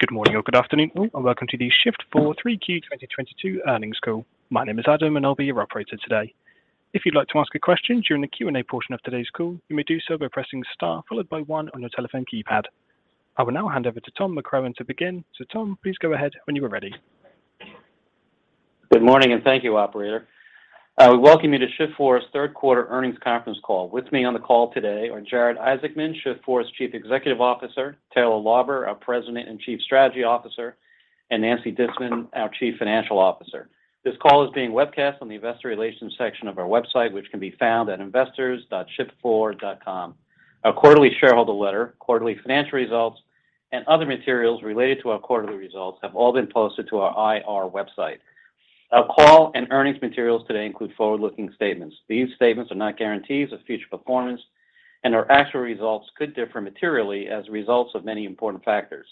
Good morning or good afternoon, all, and welcome to the Shift4 3Q 2022 earnings call. My name is Adam, and I'll be your operator today. If you'd like to ask a question during the Q&A portion of today's call, you may do so by pressing star followed by one on your telephone keypad. I will now hand over to Tom McCrohan to begin. Tom, please go ahead when you are ready. Good morning, and thank you, operator. We welcome you to Shift4's third quarter earnings conference call. With me on the call today are Jared Isaacman, Shift4's Chief Executive Officer, Taylor Lauber, our President and Chief Strategy Officer, and Nancy Disman, our Chief Financial Officer. This call is being webcast on the investor relations section of our website, which can be found at investors.shift4.com. Our quarterly shareholder letter, quarterly financial results, and other materials related to our quarterly results have all been posted to our IR website. Our call and earnings materials today include forward-looking statements. These statements are not guarantees of future performance, and our actual results could differ materially as a result of many important factors.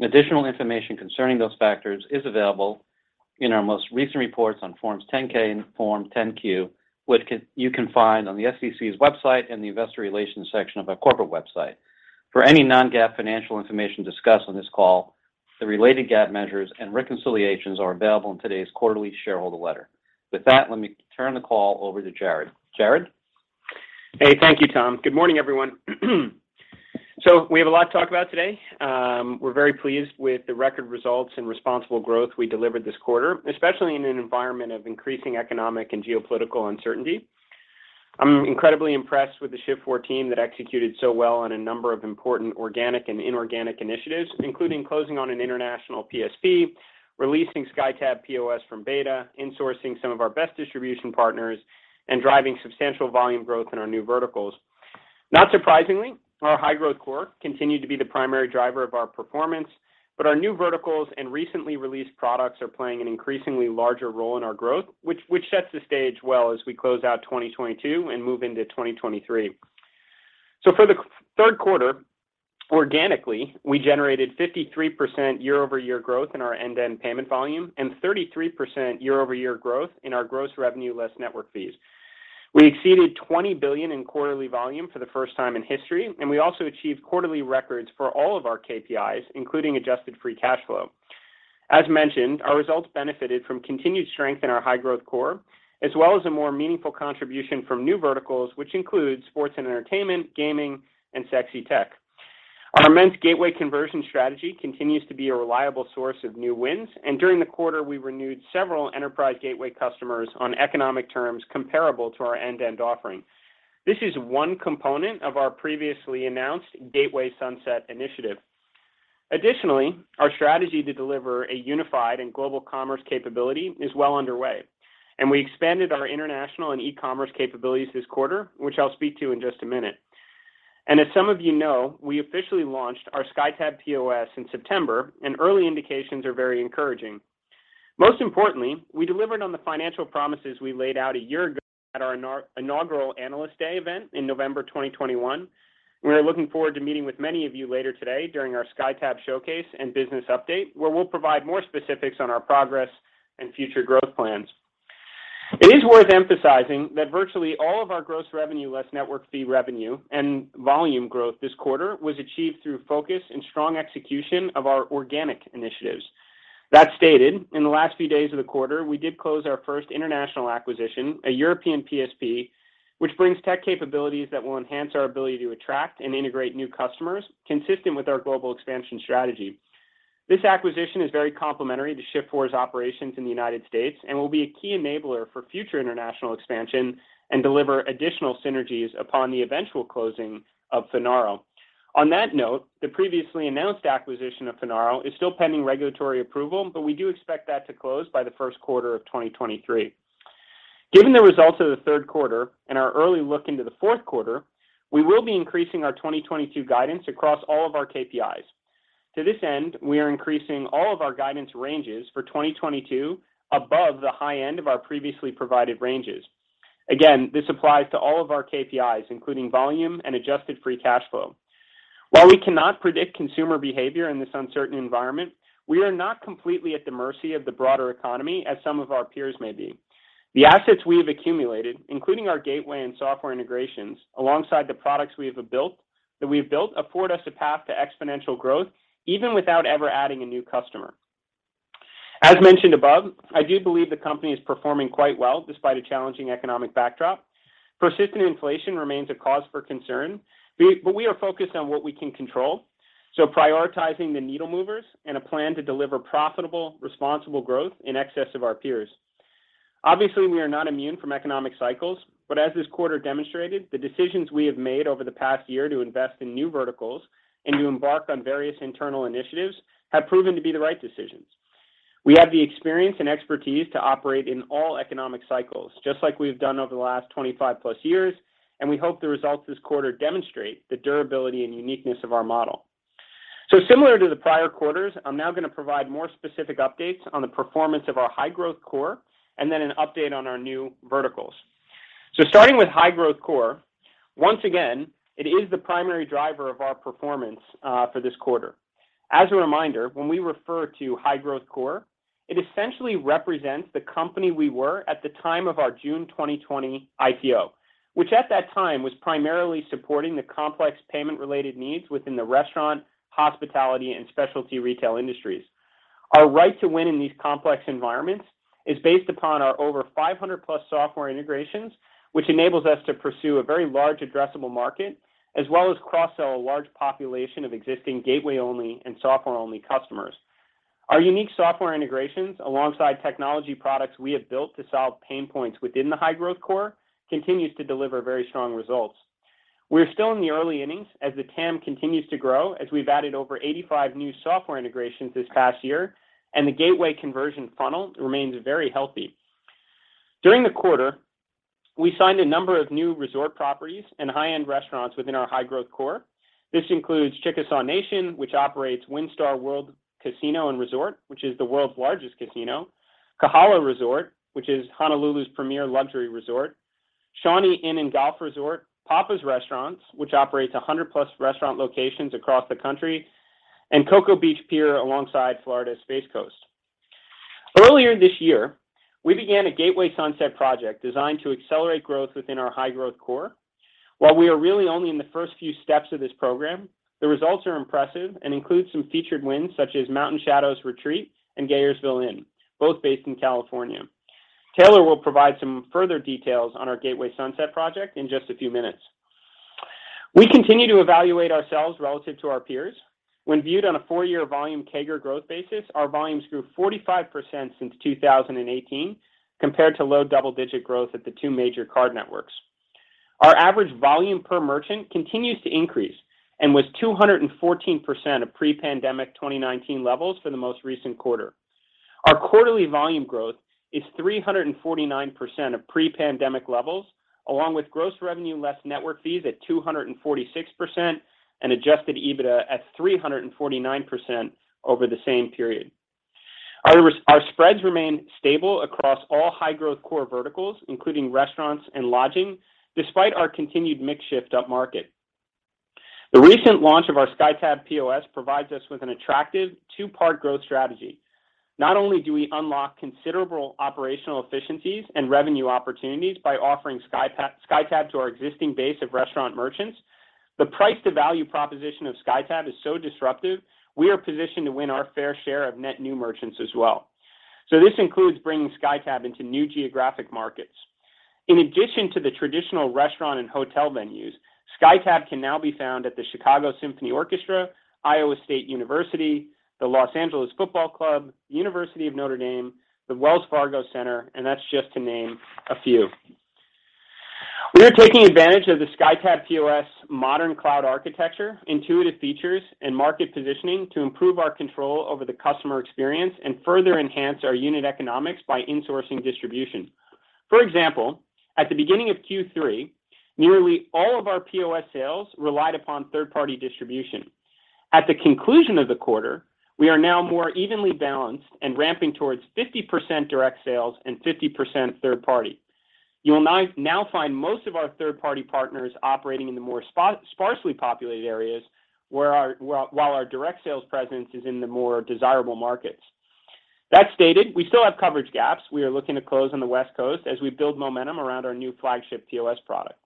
Additional information concerning those factors is available in our most recent reports on Forms 10-K and Form 10-Q, which you can find on the SEC's website in the investor relations section of our corporate website. For any non-GAAP financial information discussed on this call, the related GAAP measures and reconciliations are available in today's quarterly shareholder letter. With that, let me turn the call over to Jared. Jared? Hey. Thank you, Tom. Good morning, everyone. We have a lot to talk about today. We're very pleased with the record results and responsible growth we delivered this quarter, especially in an environment of increasing economic and geopolitical uncertainty. I'm incredibly impressed with the Shift4 team that executed so well on a number of important organic and inorganic initiatives, including closing on an international PSP, releasing SkyTab POS from beta, insourcing some of our best distribution partners, and driving substantial volume growth in our new verticals. Not surprisingly, our high-growth core continued to be the primary driver of our performance, but our new verticals and recently released products are playing an increasingly larger role in our growth, which sets the stage well as we close out 2022 and move into 2023. For the third quarter, organically, we generated 53% year-over-year growth in our End-to-End Payment Volume and 33% year-over-year growth in our gross revenue less network fees. We exceeded $20 billion in quarterly volume for the first time in history, and we also achieved quarterly records for all of our KPIs, including Adjusted Free Cash Flow. As mentioned, our results benefited from continued strength in our high-growth core, as well as a more meaningful contribution from new verticals, which includes sports and entertainment, gaming, and sexy tech. Our immense gateway conversion strategy continues to be a reliable source of new wins, and during the quarter, we renewed several enterprise gateway customers on economic terms comparable to our end-to-end offering. This is one component of our previously announced Gateway Sunset initiative. Additionally, our strategy to deliver a unified and global commerce capability is well underway, and we expanded our international and e-commerce capabilities this quarter, which I'll speak to in just a minute. As some of you know, we officially launched our SkyTab POS in September, and early indications are very encouraging. Most importantly, we delivered on the financial promises we laid out a year ago at our inaugural Analyst Day event in November 2021. We are looking forward to meeting with many of you later today during our SkyTab showcase and business update, where we'll provide more specifics on our progress and future growth plans. It is worth emphasizing that virtually all of our gross revenue less network fee revenue and volume growth this quarter was achieved through focus and strong execution of our organic initiatives. That stated, in the last few days of the quarter, we did close our first international acquisition, a European PSP, which brings tech capabilities that will enhance our ability to attract and integrate new customers consistent with our global expansion strategy. This acquisition is very complementary to Shift4's operations in the United States and will be a key enabler for future international expansion and deliver additional synergies upon the eventual closing of Finaro. On that note, the previously announced acquisition of Finaro is still pending regulatory approval, but we do expect that to close by the first quarter of 2023. Given the results of the third quarter and our early look into the fourth quarter, we will be increasing our 2022 guidance across all of our KPIs. To this end, we are increasing all of our guidance ranges for 2022 above the high end of our previously provided ranges. Again, this applies to all of our KPIs, including volume and Adjusted Free Cash Flow. While we cannot predict consumer behavior in this uncertain environment, we are not completely at the mercy of the broader economy as some of our peers may be. The assets we have accumulated, including our gateway and software integrations, alongside the products we've built, afford us a path to exponential growth, even without ever adding a new customer. As mentioned above, I do believe the company is performing quite well despite a challenging economic backdrop. Persistent inflation remains a cause for concern, but we are focused on what we can control, so prioritizing the needle movers and a plan to deliver profitable, responsible growth in excess of our peers. Obviously, we are not immune from economic cycles, but as this quarter demonstrated, the decisions we have made over the past year to invest in new verticals and to embark on various internal initiatives have proven to be the right decisions. We have the experience and expertise to operate in all economic cycles, just like we've done over the last 25+ years, and we hope the results this quarter demonstrate the durability and uniqueness of our model. Similar to the prior quarters, I'm now gonna provide more specific updates on the performance of our high-growth core and then an update on our new verticals. Starting with high-growth core, once again, it is the primary driver of our performance for this quarter. As a reminder, when we refer to high-growth core, it essentially represents the company we were at the time of our June 2020 IPO, which at that time was primarily supporting the complex payment-related needs within the restaurant, hospitality, and specialty retail industries. Our right to win in these complex environments is based upon our over 500+ software integrations, which enables us to pursue a very large addressable market, as well as cross-sell a large population of existing gateway-only and software-only customers. Our unique software integrations alongside technology products we have built to solve pain points within the high-growth core continues to deliver very strong results. We're still in the early innings as the TAM continues to grow, as we've added over 85 new software integrations this past year, and the gateway conversion funnel remains very healthy. During the quarter, we signed a number of new resort properties and high-end restaurants within our high-growth core. This includes Chickasaw Nation, which operates WinStar World Casino and Resort, which is the world's largest casino, Kahala Resort, which is Honolulu's premier luxury resort, Shawnee Inn and Golf Resort, Pappas Restaurants, which operates 100+ restaurant locations across the country, and Cocoa Beach Pier alongside Florida's Space Coast. Earlier this year, we began a Gateway Sunset project designed to accelerate growth within our high-growth core. While we are really only in the first few steps of this program, the results are impressive and include some featured wins such as Mountain Shadows Retreat and Geyserville Inn, both based in California. Taylor will provide some further details on our Gateway Sunset project in just a few minutes. We continue to evaluate ourselves relative to our peers. When viewed on a four-year volume CAGR growth basis, our volumes grew 45% since 2018 compared to low double-digit growth at the two major card networks. Our average volume per merchant continues to increase and was 214% of pre-pandemic 2019 levels for the most recent quarter. Our quarterly volume growth is 349% of pre-pandemic levels, along with gross revenue less network fees at 246% and Adjusted EBITDA at 349% over the same period. Our spreads remain stable across all high-growth core verticals, including restaurants and lodging, despite our continued mix shift upmarket. The recent launch of our SkyTab POS provides us with an attractive two-part growth strategy. Not only do we unlock considerable operational efficiencies and revenue opportunities by offering SkyTab to our existing base of restaurant merchants, the price to value proposition of SkyTab is so disruptive we are positioned to win our fair share of net new merchants as well. This includes bringing SkyTab into new geographic markets. In addition to the traditional restaurant and hotel venues, SkyTab can now be found at the Chicago Symphony Orchestra, Iowa State University, the Los Angeles Football Club, University of Notre Dame, the Wells Fargo Center, and that's just to name a few. We are taking advantage of the SkyTab POS modern cloud architecture, intuitive features, and market positioning to improve our control over the customer experience and further enhance our unit economics by insourcing distribution. For example, at the beginning of Q3, nearly all of our POS sales relied upon third-party distribution. At the conclusion of the quarter, we are now more evenly balanced and ramping towards 50% direct sales and 50% third party. You will now find most of our third-party partners operating in the more sparsely populated areas while our direct sales presence is in the more desirable markets. That stated, we still have coverage gaps we are looking to close on the West Coast as we build momentum around our new flagship POS product.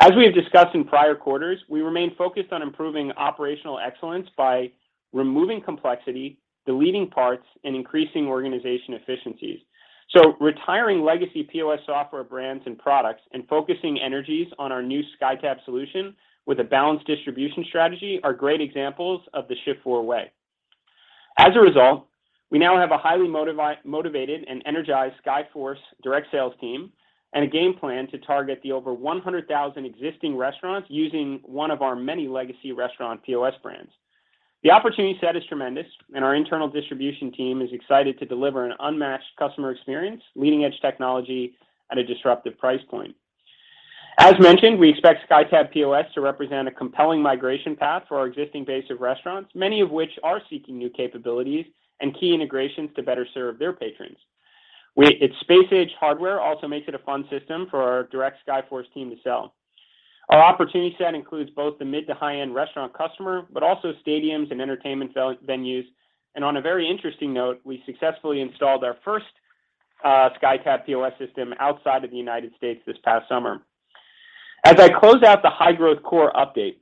As we have discussed in prior quarters, we remain focused on improving operational excellence by removing complexity, deleting parts, and increasing organization efficiencies. Retiring legacy POS software brands and products and focusing energies on our new SkyTab solution with a balanced distribution strategy are great examples of the Shift4 way. As a result, we now have a highly motivated and energized SkyForce direct sales team and a game plan to target the over 100,000 existing restaurants using one of our many legacy restaurant POS brands. The opportunity set is tremendous, and our internal distribution team is excited to deliver an unmatched customer experience, leading-edge technology at a disruptive price point. As mentioned, we expect SkyTab POS to represent a compelling migration path for our existing base of restaurants, many of which are seeking new capabilities and key integrations to better serve their patrons. Its space-age hardware also makes it a fun system for our direct SkyForce team to sell. Our opportunity set includes both the mid to high-end restaurant customer, but also stadiums and entertainment venues. On a very interesting note, we successfully installed our first SkyTab POS system outside of the United States this past summer. As I close out the high-growth core update,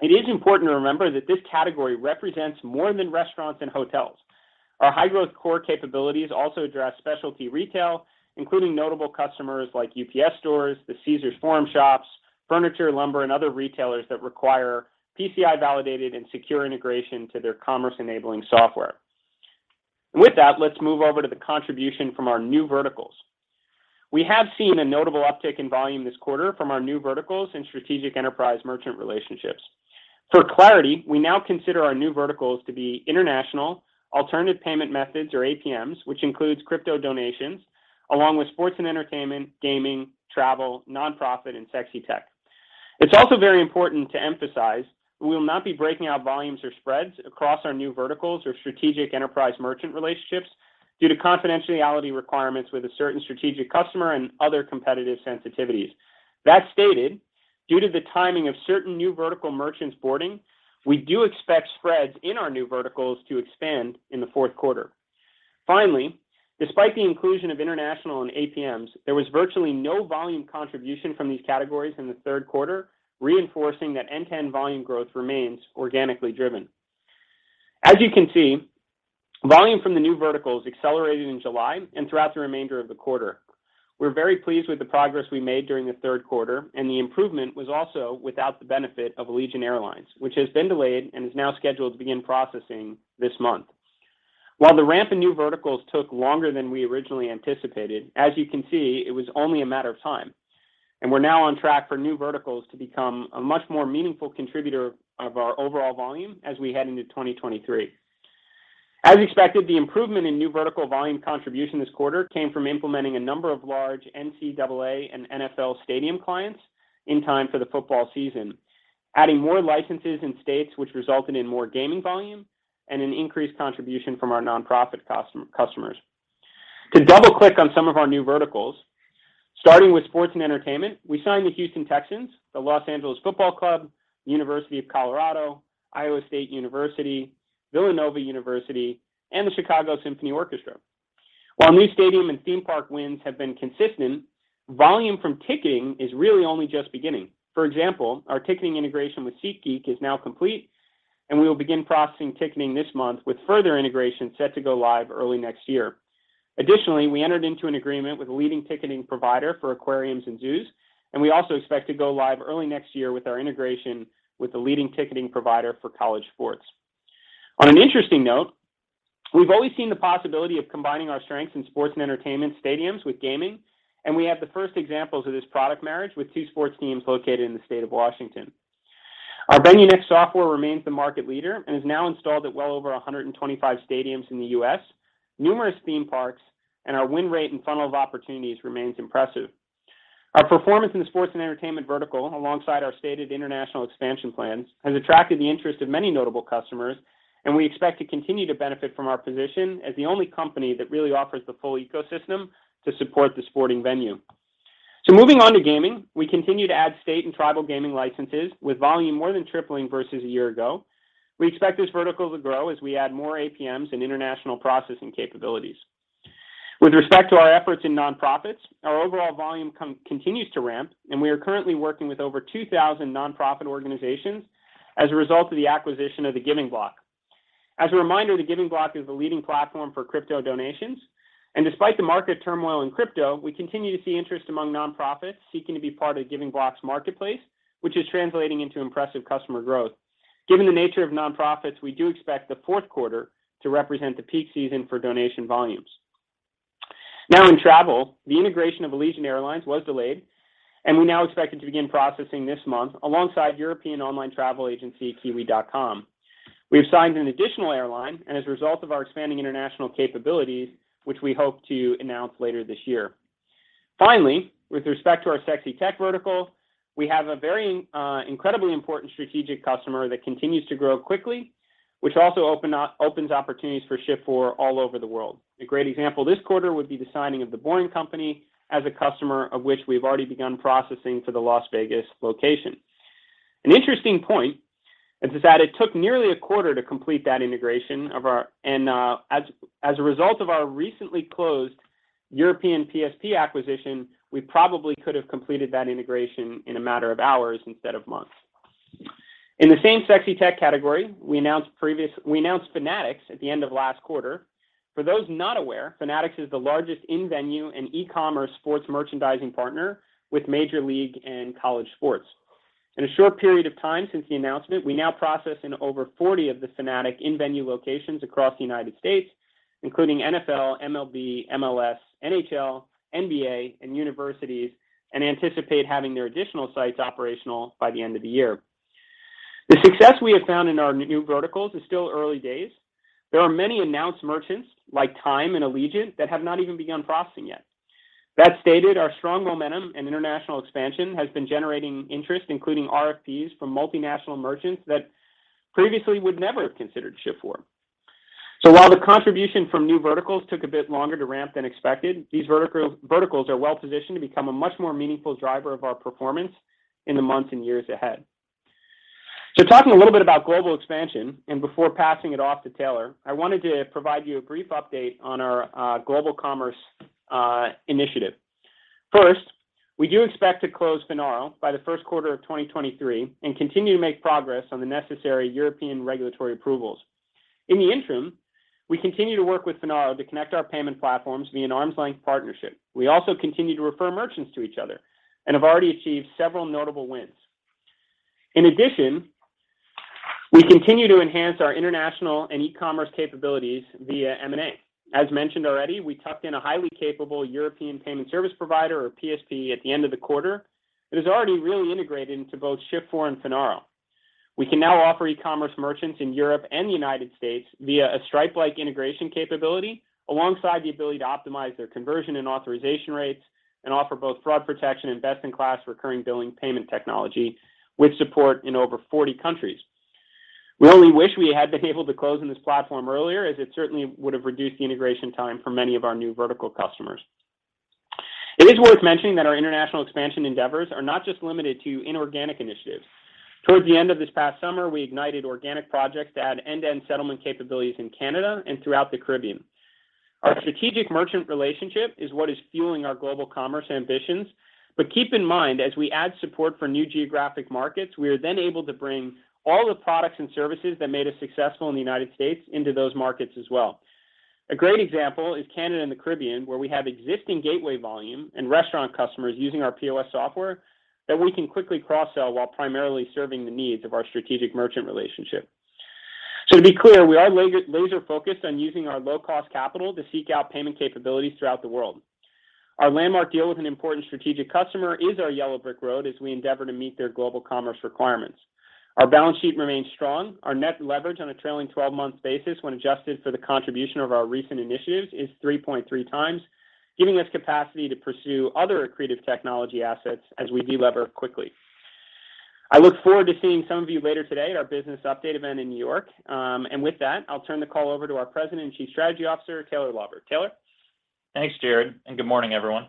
it is important to remember that this category represents more than restaurants and hotels. Our high-growth core capabilities also address specialty retail, including notable customers like The UPS Store, The Forum Shops at Caesars Palace, furniture, lumber, and other retailers that require PCI validated and secure integration to their commerce-enabling software. With that, let's move over to the contribution from our new verticals. We have seen a notable uptick in volume this quarter from our new verticals and strategic enterprise merchant relationships. For clarity, we now consider our new verticals to be international, alternative payment methods or APMs, which includes crypto donations, along with sports and entertainment, gaming, travel, nonprofit, and sexy tech. It's also very important to emphasize we will not be breaking out volumes or spreads across our new verticals or strategic enterprise merchant relationships due to confidentiality requirements with a certain strategic customer and other competitive sensitivities. That stated, due to the timing of certain new vertical merchants boarding, we do expect spreads in our new verticals to expand in the fourth quarter. Finally, despite the inclusion of international and APMs, there was virtually no volume contribution from these categories in the third quarter, reinforcing that net new volume growth remains organically driven. As you can see, volume from the new verticals accelerated in July and throughout the remainder of the quarter. We're very pleased with the progress we made during the third quarter, and the improvement was also without the benefit of Allegiant Air, which has been delayed and is now scheduled to begin processing this month. While the ramp in new verticals took longer than we originally anticipated, as you can see, it was only a matter of time, and we're now on track for new verticals to become a much more meaningful contributor of our overall volume as we head into 2023. As expected, the improvement in new vertical volume contribution this quarter came from implementing a number of large NCAA and NFL stadium clients in time for the football season, adding more licenses in states which resulted in more gaming volume and an increased contribution from our nonprofit customers. To double-click on some of our new verticals, starting with sports and entertainment, we signed the Houston Texans, the Los Angeles Football Club, University of Colorado, Iowa State University, Villanova University, and the Chicago Symphony Orchestra. While new stadium and theme park wins have been consistent, volume from ticketing is really only just beginning. For example, our ticketing integration with SeatGeek is now complete, and we will begin processing ticketing this month with further integration set to go live early next year. Additionally, we entered into an agreement with a leading ticketing provider for aquariums and zoos, and we also expect to go live early next year with our integration with a leading ticketing provider for college sports. On an interesting note, we've always seen the possibility of combining our strengths in sports and entertainment stadiums with gaming, and we have the first examples of this product marriage with two sports teams located in the state of Washington. Our VenueNext software remains the market leader and is now installed at well over 125 stadiums in the U.S., numerous theme parks, and our win rate and funnel of opportunities remains impressive. Our performance in the sports and entertainment vertical, alongside our stated international expansion plans, has attracted the interest of many notable customers, and we expect to continue to benefit from our position as the only company that really offers the full ecosystem to support the sporting venue. Moving on to gaming, we continue to add state and tribal gaming licenses with volume more than tripling versus a year ago. We expect this vertical to grow as we add more APMs and international processing capabilities. With respect to our efforts in nonprofits, our overall volume continues to ramp, and we are currently working with over 2,000 nonprofit organizations as a result of the acquisition of The Giving Block. As a reminder, The Giving Block is the leading platform for crypto donations, and despite the market turmoil in crypto, we continue to see interest among nonprofits seeking to be part of Giving Block's marketplace, which is translating into impressive customer growth. Given the nature of nonprofits, we do expect the fourth quarter to represent the peak season for donation volumes. Now, in travel, the integration of Allegiant Air was delayed, and we now expect it to begin processing this month alongside European online travel agency Kiwi.com. We have signed an additional airline, and as a result of our expanding international capabilities, which we hope to announce later this year. Finally, with respect to our sexy tech vertical, we have a very, incredibly important strategic customer that continues to grow quickly, which also opens opportunities for Shift4 all over the world. A great example this quarter would be the signing of The Boring Company as a customer, of which we've already begun processing for the Las Vegas location. An interesting point is that it took nearly a quarter to complete that integration and, as a result of our recently closed European PSP acquisition, we probably could have completed that integration in a matter of hours instead of months. In the same sexy tech category, we announced Fanatics at the end of last quarter. For those not aware, Fanatics is the largest in-venue and e-commerce sports merchandising partner with major league and college sports. In a short period of time since the announcement, we now process in over 40 of the Fanatics in-venue locations across the United States, including NFL, MLB, MLS, NHL, NBA, and universities, and anticipate having their additional sites operational by the end of the year. The success we have found in our new verticals is still early days. There are many announced merchants like Time and Allegiant that have not even begun processing yet. That stated, our strong momentum and international expansion has been generating interest, including RFPs from multinational merchants that previously would never have considered Shift4. While the contribution from new verticals took a bit longer to ramp than expected, these verticals are well positioned to become a much more meaningful driver of our performance in the months and years ahead. Talking a little bit about global expansion and before passing it off to Taylor, I wanted to provide you a brief update on our global commerce initiative. First, we do expect to close Finaro by the first quarter of 2023 and continue to make progress on the necessary European regulatory approvals. In the interim, we continue to work with Finaro to connect our payment platforms via an arm's-length partnership. We also continue to refer merchants to each other and have already achieved several notable wins. In addition, we continue to enhance our international and e-commerce capabilities via M&A. As mentioned already, we tucked in a highly capable European payment service provider or PSP at the end of the quarter. It is already really integrated into both Shift4 and Finaro. We can now offer e-commerce merchants in Europe and the United States via a Stripe-like integration capability alongside the ability to optimize their conversion and authorization rates and offer both fraud protection and best-in-class recurring billing payment technology with support in over 40 countries. We only wish we had been able to close on this platform earlier, as it certainly would have reduced the integration time for many of our new vertical customers. It is worth mentioning that our international expansion endeavors are not just limited to inorganic initiatives. Towards the end of this past summer, we ignited organic projects to add end-to-end settlement capabilities in Canada and throughout the Caribbean. Our strategic merchant relationship is what is fueling our global commerce ambitions. Keep in mind, as we add support for new geographic markets, we are then able to bring all the products and services that made us successful in the United States into those markets as well. A great example is Canada and the Caribbean, where we have existing gateway volume and restaurant customers using our POS software that we can quickly cross-sell while primarily serving the needs of our strategic merchant relationship. To be clear, we are laser-focused on using our low-cost capital to seek out payment capabilities throughout the world. Our landmark deal with an important strategic customer is our yellow brick road as we endeavor to meet their global commerce requirements. Our balance sheet remains strong. Our net leverage on a trailing twelve-month basis when adjusted for the contribution of our recent initiatives is 3.3x, giving us capacity to pursue other accretive technology assets as we delever quickly. I look forward to seeing some of you later today at our business update event in New York. With that, I'll turn the call over to our President and Chief Strategy Officer, Taylor Lauber. Taylor? Thanks, Jared, and good morning, everyone.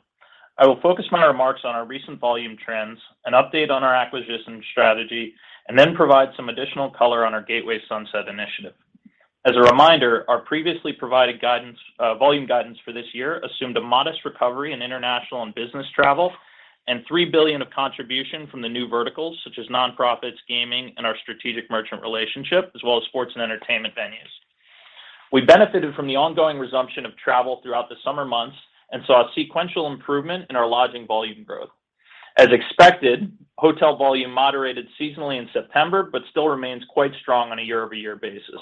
I will focus my remarks on our recent volume trends, an update on our acquisition strategy, and then provide some additional color on our Gateway Sunset initiative. As a reminder, our previously provided guidance, volume guidance for this year assumed a modest recovery in international and business travel, and $3 billion of contribution from the new verticals, such as nonprofits, gaming, and our strategic merchant relationship, as well as sports and entertainment venues. We benefited from the ongoing resumption of travel throughout the summer months and saw a sequential improvement in our lodging volume growth. As expected, hotel volume moderated seasonally in September, but still remains quite strong on a year-over-year basis.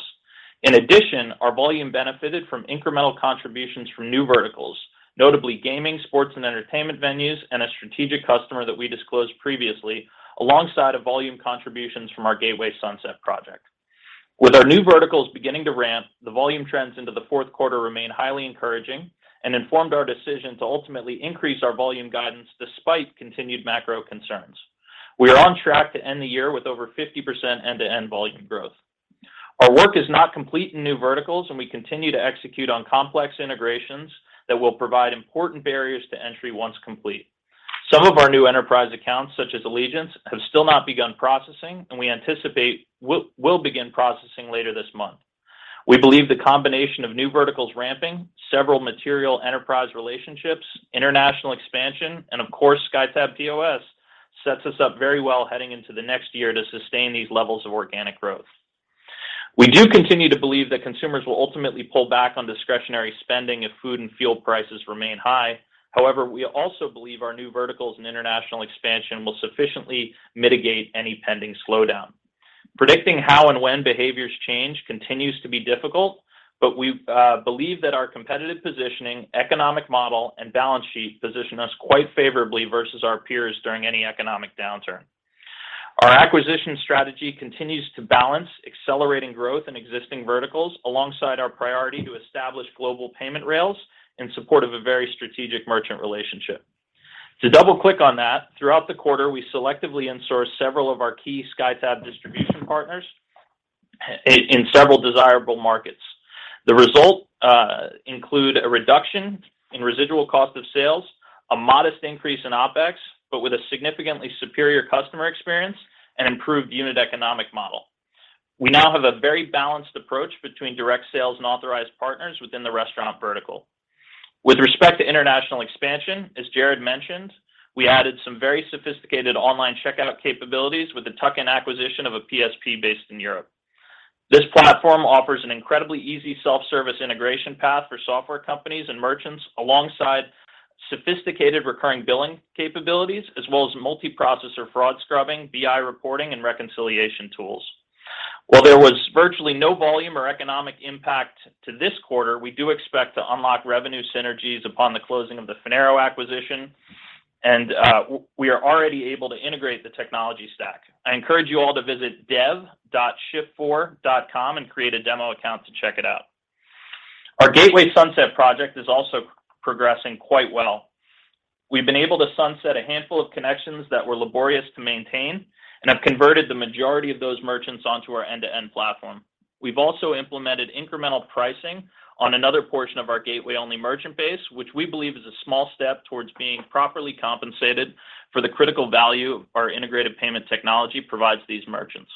In addition, our volume benefited from incremental contributions from new verticals, notably gaming, sports and entertainment venues, and a strategic customer that we disclosed previously, alongside of volume contributions from our Gateway Sunset project. With our new verticals beginning to ramp, the volume trends into the fourth quarter remain highly encouraging and informed our decision to ultimately increase our volume guidance despite continued macro concerns. We are on track to end the year with over 50% end-to-end volume growth. Our work is not complete in new verticals, and we continue to execute on complex integrations that will provide important barriers to entry once complete. Some of our new enterprise accounts, such as Allegiant, have still not begun processing, and we anticipate will begin processing later this month. We believe the combination of new verticals ramping, several material enterprise relationships, international expansion, and of course, SkyTab POS sets us up very well heading into the next year to sustain these levels of organic growth. We do continue to believe that consumers will ultimately pull back on discretionary spending if food and fuel prices remain high. However, we also believe our new verticals in international expansion will sufficiently mitigate any pending slowdown. Predicting how and when behaviors change continues to be difficult, but we believe that our competitive positioning, economic model, and balance sheet position us quite favorably versus our peers during any economic downturn. Our acquisition strategy continues to balance accelerating growth in existing verticals alongside our priority to establish global payment rails in support of a very strategic merchant relationship. To double-click on that, throughout the quarter, we selectively insourced several of our key SkyTab distribution partners in several desirable markets. The result include a reduction in residual cost of sales, a modest increase in OpEx, but with a significantly superior customer experience and improved unit economic model. We now have a very balanced approach between direct sales and authorized partners within the restaurant vertical. With respect to international expansion, as Jared mentioned, we added some very sophisticated online checkout capabilities with the tuck-in acquisition of a PSP based in Europe. This platform offers an incredibly easy self-service integration path for software companies and merchants, alongside sophisticated recurring billing capabilities, as well as multiprocessor fraud scrubbing, BI reporting, and reconciliation tools. While there was virtually no volume or economic impact to this quarter, we do expect to unlock revenue synergies upon the closing of the Finaro acquisition, and we are already able to integrate the technology stack. I encourage you all to visit dev.shift4.com and create a demo account to check it out. Our Gateway Sunset project is also progressing quite well. We've been able to sunset a handful of connections that were laborious to maintain and have converted the majority of those merchants onto our end-to-end platform. We've also implemented incremental pricing on another portion of our gateway-only merchant base, which we believe is a small step towards being properly compensated for the critical value our integrated payment technology provides these merchants.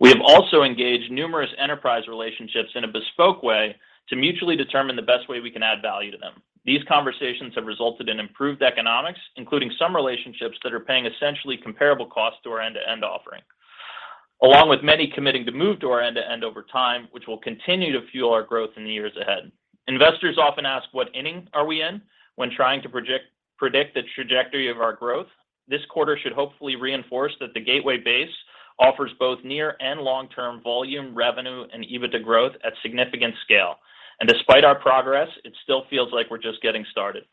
We have also engaged numerous enterprise relationships in a bespoke way to mutually determine the best way we can add value to them. These conversations have resulted in improved economics, including some relationships that are paying essentially comparable costs to our end-to-end offering. Along with many committing to move to our end-to-end over time, which will continue to fuel our growth in the years ahead. Investors often ask, what inning are we in when trying to predict the trajectory of our growth? This quarter should hopefully reinforce that the gateway base offers both near and long-term volume, revenue, and EBITDA growth at significant scale. Despite our progress, it still feels like we're just getting started.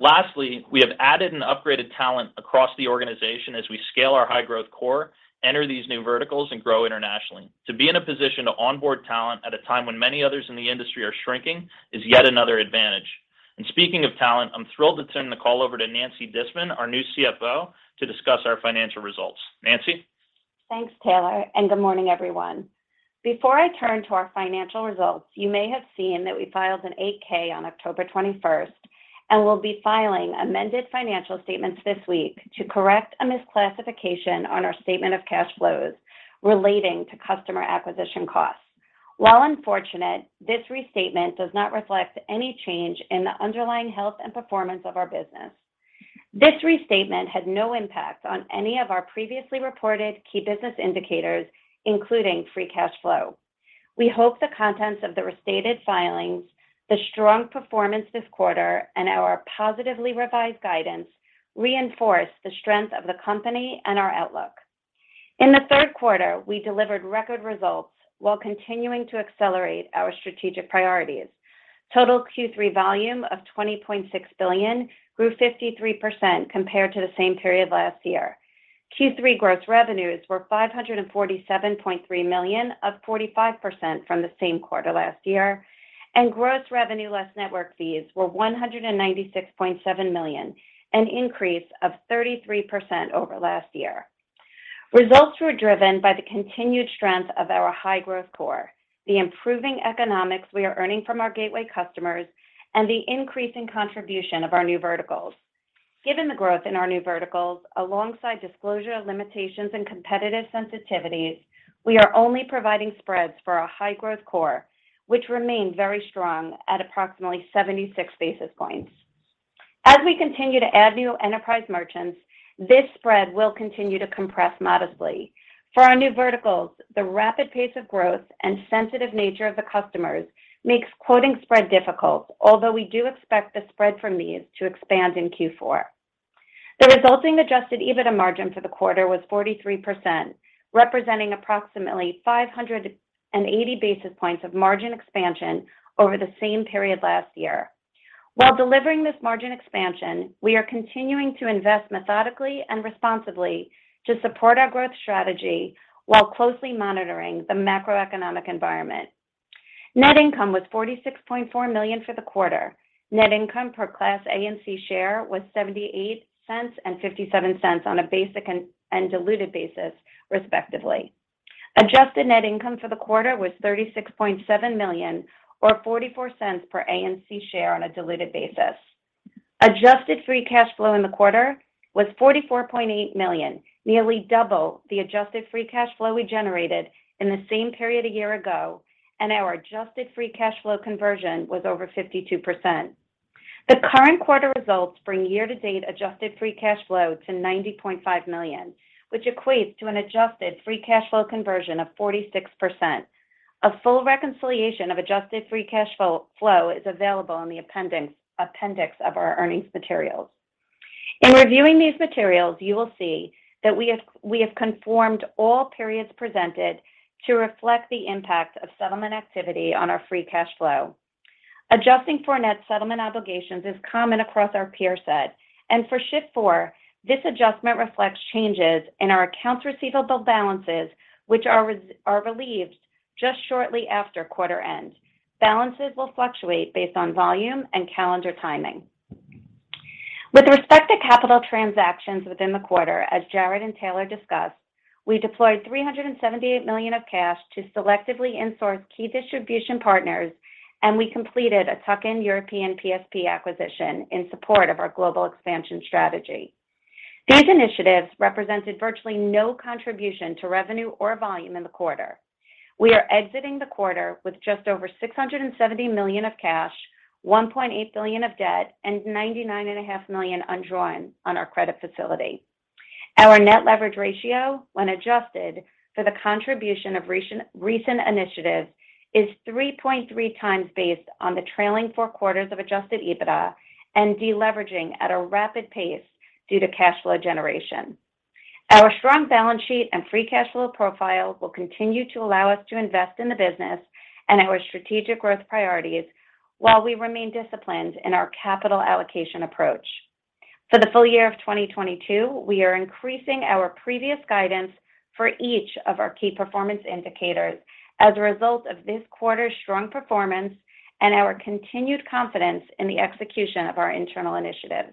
Lastly, we have added an upgraded talent across the organization as we scale our high-growth core, enter these new verticals, and grow internationally. To be in a position to onboard talent at a time when many others in the industry are shrinking is yet another advantage. Speaking of talent, I'm thrilled to turn the call over to Nancy Disman, our new CFO, to discuss our financial results. Nancy? Thanks, Taylor, and good morning, everyone. Before I turn to our financial results, you may have seen that we filed an 8-K on October 21st, and we'll be filing amended financial statements this week to correct a misclassification on our statement of cash flows relating to customer acquisition costs. While unfortunate, this restatement does not reflect any change in the underlying health and performance of our business. This restatement had no impact on any of our previously reported key business indicators, including Free Cash Flow. We hope the contents of the restated filings, the strong performance this quarter, and our positively revised guidance reinforce the strength of the company and our outlook. In the third quarter, we delivered record results while continuing to accelerate our strategic priorities. Total Q3 volume of $20.6 billion grew 53% compared to the same period last year. Q3 gross revenues were $547.3 million, up 45% from the same quarter last year, and gross revenue less network fees were $196.7 million, an increase of 33% over last year. Results were driven by the continued strength of our high-growth core, the improving economics we are earning from our gateway customers, and the increasing contribution of our new verticals. Given the growth in our new verticals, alongside disclosure of limitations and competitive sensitivities, we are only providing spreads for our high-growth core, which remain very strong at approximately 76 basis points. As we continue to add new enterprise merchants, this spread will continue to compress modestly. For our new verticals, the rapid pace of growth and sensitive nature of the customers makes quoting spread difficult, although we do expect the spread from these to expand in Q4. The resulting Adjusted EBITDA Margin for the quarter was 43%, representing approximately 580 basis points of margin expansion over the same period last year. While delivering this margin expansion, we are continuing to invest methodically and responsibly to support our growth strategy while closely monitoring the macroeconomic environment. Net income was $46.4 million for the quarter. Net income per class A and C share was $0.78 and $0.57 on a basic and diluted basis, respectively. Adjusted Net Income for the quarter was $36.7 million or $0.44 per A and C share on a diluted basis. Adjusted Free Cash Flow in the quarter was $44.8 million, nearly double the Adjusted Free Cash Flow we generated in the same period a year ago, and our Adjusted Free Cash Flow conversion was over 52%. The current quarter results bring year-to-date Adjusted Free Cash Flow to $90.5 million, which equates to an Adjusted Free Cash Flow conversion of 46%. A full reconciliation of Adjusted Free Cash Flow is available in the appendix of our earnings materials. In reviewing these materials, you will see that we have conformed all periods presented to reflect the impact of settlement activity on our free cash flow. Adjusting for net settlement obligations is common across our peer set, and for Shift4, this adjustment reflects changes in our accounts receivable balances which are relieved just shortly after quarter end. Balances will fluctuate based on volume and calendar timing. With respect to capital transactions within the quarter, as Jared and Taylor discussed, we deployed $378 million of cash to selectively in-source key distribution partners, and we completed a tuck-in European PSP acquisition in support of our global expansion strategy. These initiatives represented virtually no contribution to revenue or volume in the quarter. We are exiting the quarter with just over $670 million of cash, $1.8 billion of debt, and $99.5 million undrawn on our credit facility. Our net leverage ratio, when adjusted for the contribution of recent initiatives, is 3.3x based on the trailing four quarters of Adjusted EBITDA and deleveraging at a rapid pace due to cash flow generation. Our strong balance sheet and free cash flow profile will continue to allow us to invest in the business and our strategic growth priorities while we remain disciplined in our capital allocation approach. For the full year of 2022, we are increasing our previous guidance for each of our KPIs as a result of this quarter's strong performance and our continued confidence in the execution of our internal initiatives.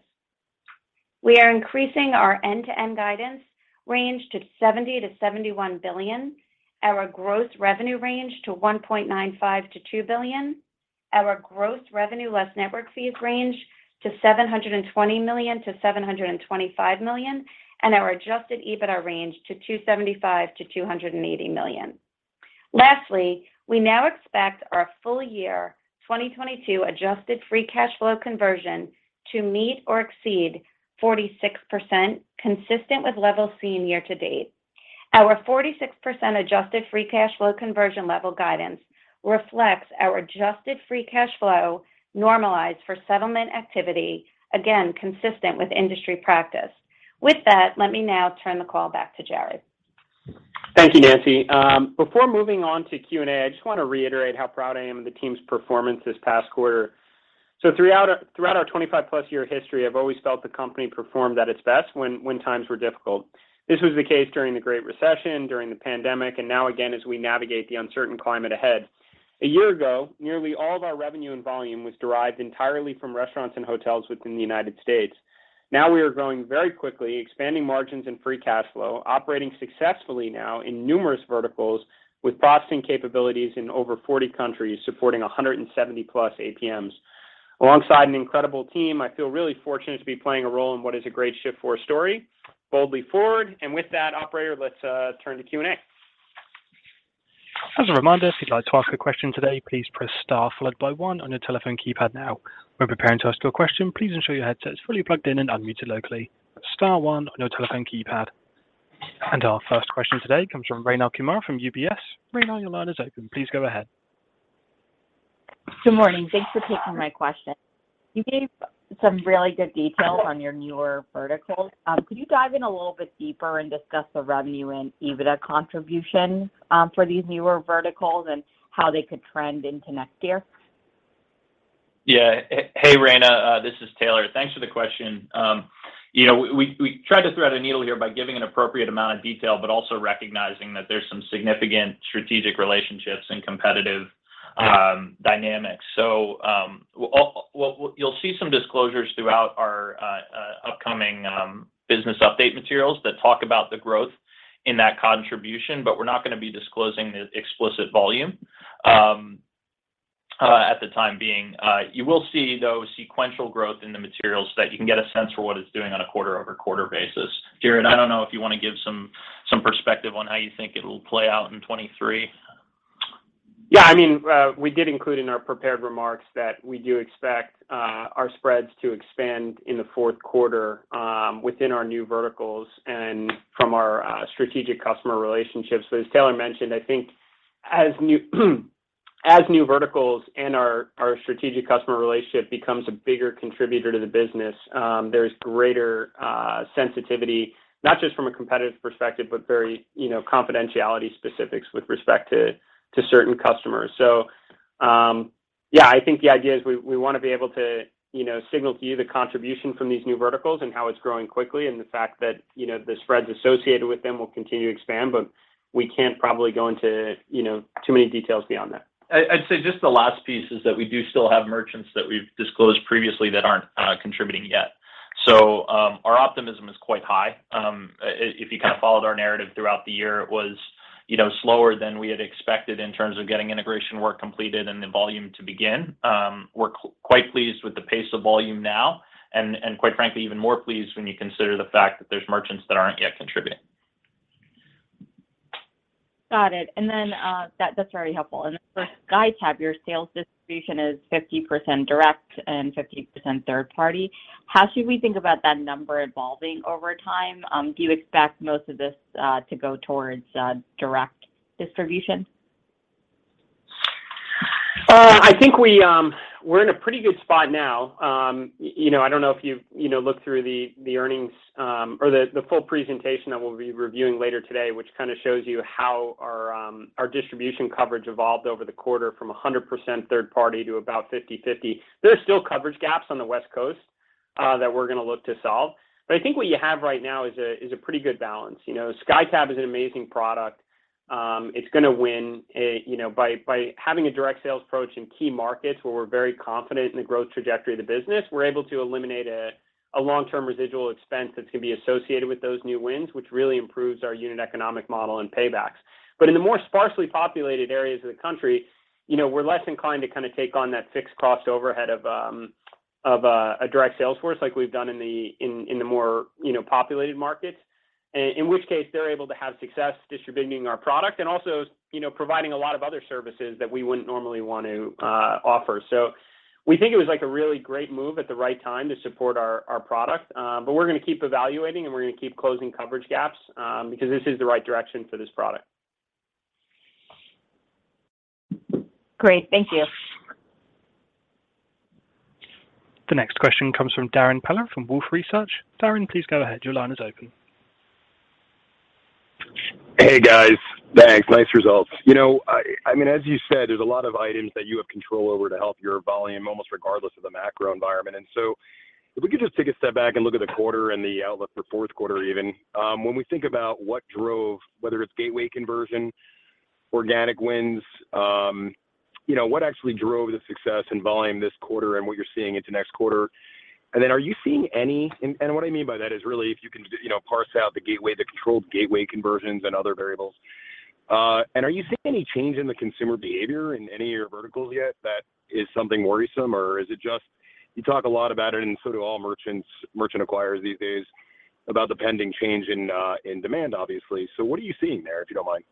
We are increasing our end-to-end guidance range to $70 billion-$71 billion, our gross revenue range to $1.95 billion-$2 billion, our gross revenue less network fees range to $720 million-$725 million, and our Adjusted EBITDA range to $275 million-$280 million. Lastly, we now expect our full year 2022 Adjusted Free Cash Flow conversion to meet or exceed 46%, consistent with levels seen year to date. Our 46% Adjusted Free Cash Flow conversion level guidance reflects our Adjusted Free Cash Flow normalized for settlement activity, again, consistent with industry practice. With that, let me now turn the call back to Jared. Thank you, Nancy. Before moving on to Q&A, I just want to reiterate how proud I am of the team's performance this past quarter. Throughout our 25+-year history, I've always felt the company performed at its best when times were difficult. This was the case during the Great Recession, during the pandemic, and now again as we navigate the uncertain climate ahead. A year ago, nearly all of our revenue and volume was derived entirely from restaurants and hotels within the United States. Now we are growing very quickly, expanding margins and free cash flow, operating successfully now in numerous verticals with processing capabilities in over 40 countries supporting 170+ APMs. Alongside an incredible team, I feel really fortunate to be playing a role in what is a great shift for our story. Boldly forward. With that, Operator, let's turn to Q&A. As a reminder, if you'd like to ask a question today, please press star followed by one on your telephone keypad now. When preparing to ask your question, please ensure your headset is fully plugged in and unmuted locally. Star one on your telephone keypad. Our first question today comes from Rayna Kumar from UBS. Rayna, your line is open. Please go ahead. Good morning. Thanks for taking my question. You gave some really good detail on your newer verticals. Could you dive in a little bit deeper and discuss the revenue and EBITDA contribution for these newer verticals and how they could trend into next year? Hey, Rayna, this is Taylor. Thanks for the question. You know, we tried to thread a needle here by giving an appropriate amount of detail, but also recognizing that there's some significant strategic relationships and competitive dynamics. You'll see some disclosures throughout our upcoming business update materials that talk about the growth in that contribution, but we're not gonna be disclosing the explicit volume for the time being. You will see, though, sequential growth in the materials that you can get a sense for what it's doing on a quarter-over-quarter basis. Jared, I don't know if you wanna give some perspective on how you think it'll play out in 2023. Yeah. I mean, we did include in our prepared remarks that we do expect our spreads to expand in the fourth quarter, within our new verticals and from our strategic customer relationships. As Taylor mentioned, I think as new verticals and our strategic customer relationship becomes a bigger contributor to the business, there's greater sensitivity, not just from a competitive perspective, but very, you know, confidentiality specifics with respect to certain customers. Yeah, I think the idea is we wanna be able to, you know, signal to you the contribution from these new verticals and how it's growing quickly and the fact that, you know, the spreads associated with them will continue to expand, but we can't probably go into, you know, too many details beyond that. I'd say just the last piece is that we do still have merchants that we've disclosed previously that aren't contributing yet. Our optimism is quite high. If you kind of followed our narrative throughout the year, it was, you know, slower than we had expected in terms of getting integration work completed and the volume to begin. We're quite pleased with the pace of volume now and quite frankly, even more pleased when you consider the fact that there's merchants that aren't yet contributing. Got it. That's very helpful. For SkyTab, your sales distribution is 50% direct and 50% third party. How should we think about that number evolving over time? Do you expect most of this to go towards direct distribution? I think we're in a pretty good spot now. You know, I don't know if you've you know looked through the earnings or the full presentation that we'll be reviewing later today, which kinda shows you how our distribution coverage evolved over the quarter from 100% third party to about 50/50. There are still coverage gaps on the West Coast that we're gonna look to solve. I think what you have right now is a pretty good balance. You know, SkyTab is an amazing product. It's gonna win. You know, by having a direct sales approach in key markets where we're very confident in the growth trajectory of the business, we're able to eliminate a long-term residual expense that's gonna be associated with those new wins, which really improves our unit economic model and paybacks. In the more sparsely populated areas of the country, you know, we're less inclined to kinda take on that fixed cost overhead of a direct sales force like we've done in the more populated markets. In which case, they're able to have success distributing our product and also, you know, providing a lot of other services that we wouldn't normally want to offer. We think it was, like, a really great move at the right time to support our product. We're gonna keep evaluating, and we're gonna keep closing coverage gaps, because this is the right direction for this product. Great. Thank you. The next question comes from Darrin Peller from Wolfe Research. Darrin, please go ahead. Your line is open. Hey, guys. Thanks. Nice results. You know, I mean, as you said, there's a lot of items that you have control over to help your volume almost regardless of the macro environment. If we could just take a step back and look at the quarter and the outlook for fourth quarter even, when we think about what drove, whether it's gateway conversion, organic wins, you know, what actually drove the success and volume this quarter and what you're seeing into next quarter? What I mean by that is really if you can, you know, parse out the gateway, the controlled gateway conversions and other variables. Are you seeing any change in the consumer behavior in any of your verticals yet that is something worrisome? Is it just you talk a lot about it and so do all merchants, merchant acquirers these days about the pending change in demand, obviously. What are you seeing there, if you don't mind?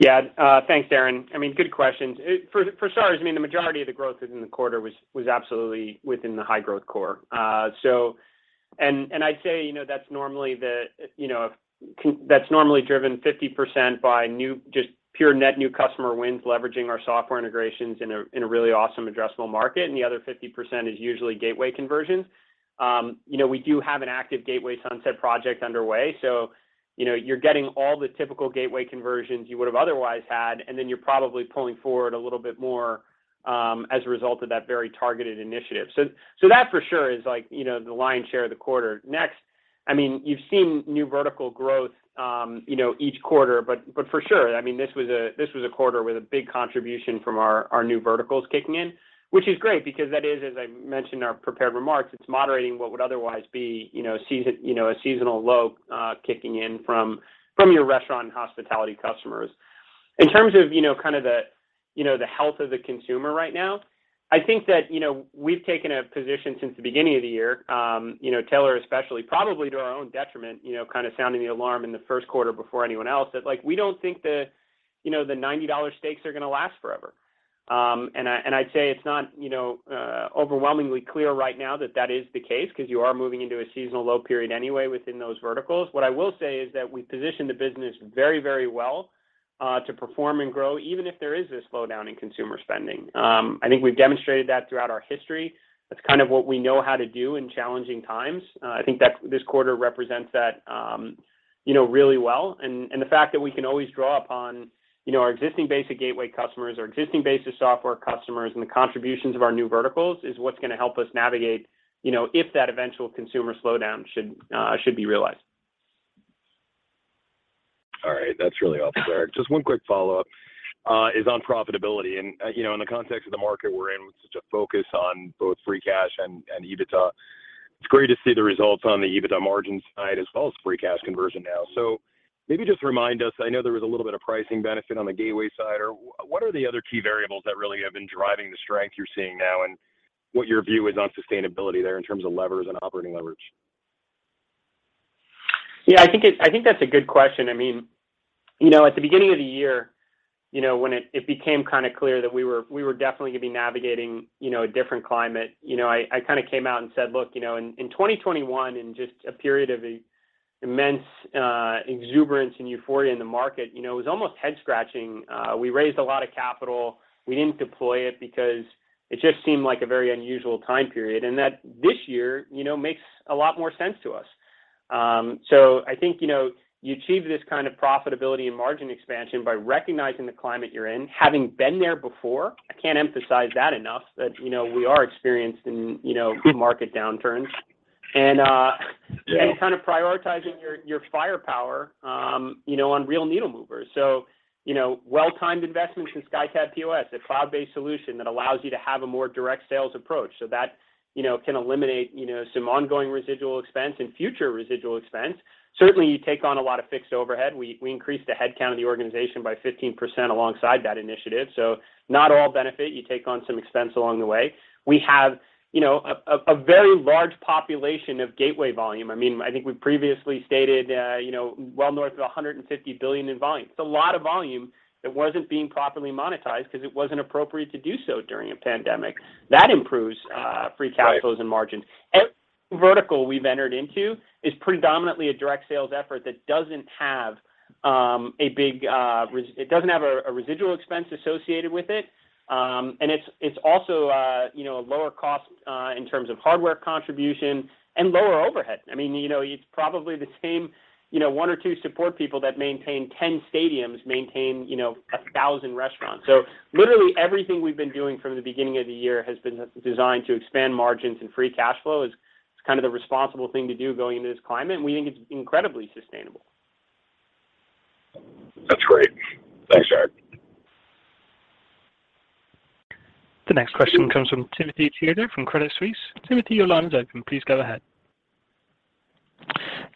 Yeah. Thanks, Darrin. I mean, good questions. For starters, I mean, the majority of the growth within the quarter was absolutely within the high-growth core. I'd say, you know, that's normally driven 50% by new just pure net new customer wins, leveraging our software integrations in a really awesome addressable market, and the other 50% is usually gateway conversions. You know, we do have an active Gateway Sunset project underway, so, you know, you're getting all the typical gateway conversions you would've otherwise had, and then you're probably pulling forward a little bit more, as a result of that very targeted initiative. That for sure is like, you know, the lion's share of the quarter. I mean, you've seen new vertical growth, you know, each quarter, but for sure. I mean, this was a quarter with a big contribution from our new verticals kicking in, which is great because that is, as I mentioned in our prepared remarks, it's moderating what would otherwise be, you know, a seasonal low kicking in from your restaurant and hospitality customers. In terms of, you know, kind of the health of the consumer right now, I think that, you know, we've taken a position since the beginning of the year, you know, Taylor especially, probably to our own detriment, you know, kind of sounding the alarm in the first quarter before anyone else, that, like, we don't think the, you know, the $90 steaks are gonna last forever. I'd say it's not, you know, overwhelmingly clear right now that that is the case because you are moving into a seasonal low period anyway within those verticals. What I will say is that we position the business very, very well to perform and grow, even if there is this slowdown in consumer spending. I think we've demonstrated that throughout our history. That's kind of what we know how to do in challenging times. I think that this quarter represents that, you know, really well. The fact that we can always draw upon, you know, our existing base of gateway customers, our existing base of software customers, and the contributions of our new verticals is what's gonna help us navigate, you know, if that eventual consumer slowdown should be realized. All right. That's really helpful, Jared. Just one quick follow-up is on profitability. You know, in the context of the market we're in with such a focus on both free cash and EBITDA, it's great to see the results on the EBITDA margin side as well as free cash conversion now. Maybe just remind us, I know there was a little bit of pricing benefit on the gateway side, or what are the other key variables that really have been driving the strength you're seeing now, and what your view is on sustainability there in terms of levers and operating leverage? Yeah, I think that's a good question. I mean, you know, at the beginning of the year, you know, when it became clear that we were definitely gonna be navigating, you know, a different climate. You know, I kinda came out and said, "Look, you know, in 2021, in just a period of immense exuberance and euphoria in the market, you know, it was almost head-scratching. We raised a lot of capital. We didn't deploy it because it just seemed like a very unusual time period, and that this year, you know, makes a lot more sense to us." I think, you know, you achieve this kind of profitability and margin expansion by recognizing the climate you're in, having been there before. I can't emphasize that enough that, you know, we are experienced in, you know, market downturns. Yeah kind of prioritizing your firepower, you know, on real needle movers. You know, well-timed investments in SkyTab POS, a cloud-based solution that allows you to have a more direct sales approach. That, you know, can eliminate, you know, some ongoing residual expense and future residual expense. Certainly, you take on a lot of fixed overhead. We increased the headcount of the organization by 15% alongside that initiative. Not all benefit, you take on some expense along the way. We have, you know, a very large population of gateway volume. I mean, I think we previously stated, you know, well north of $150 billion in volume. It's a lot of volume that wasn't being properly monetized because it wasn't appropriate to do so during a pandemic. That improves. Right Free cash flows and margins. Every vertical we've entered into is predominantly a direct sales effort that doesn't have a residual expense associated with it. It's also, you know, a lower cost in terms of hardware contribution and lower overhead. I mean, you know, it's probably the same, you know, one or two support people that maintain 10 stadiums, you know, 1,000 restaurants. Literally everything we've been doing from the beginning of the year has been designed to expand margins and free cash flow. It's kind of the responsible thing to do going into this climate, and we think it's incredibly sustainable. That's great. Thanks, Jared. The next question comes from Timothy Chiodo from Credit Suisse. Timothy, your line is open. Please go ahead.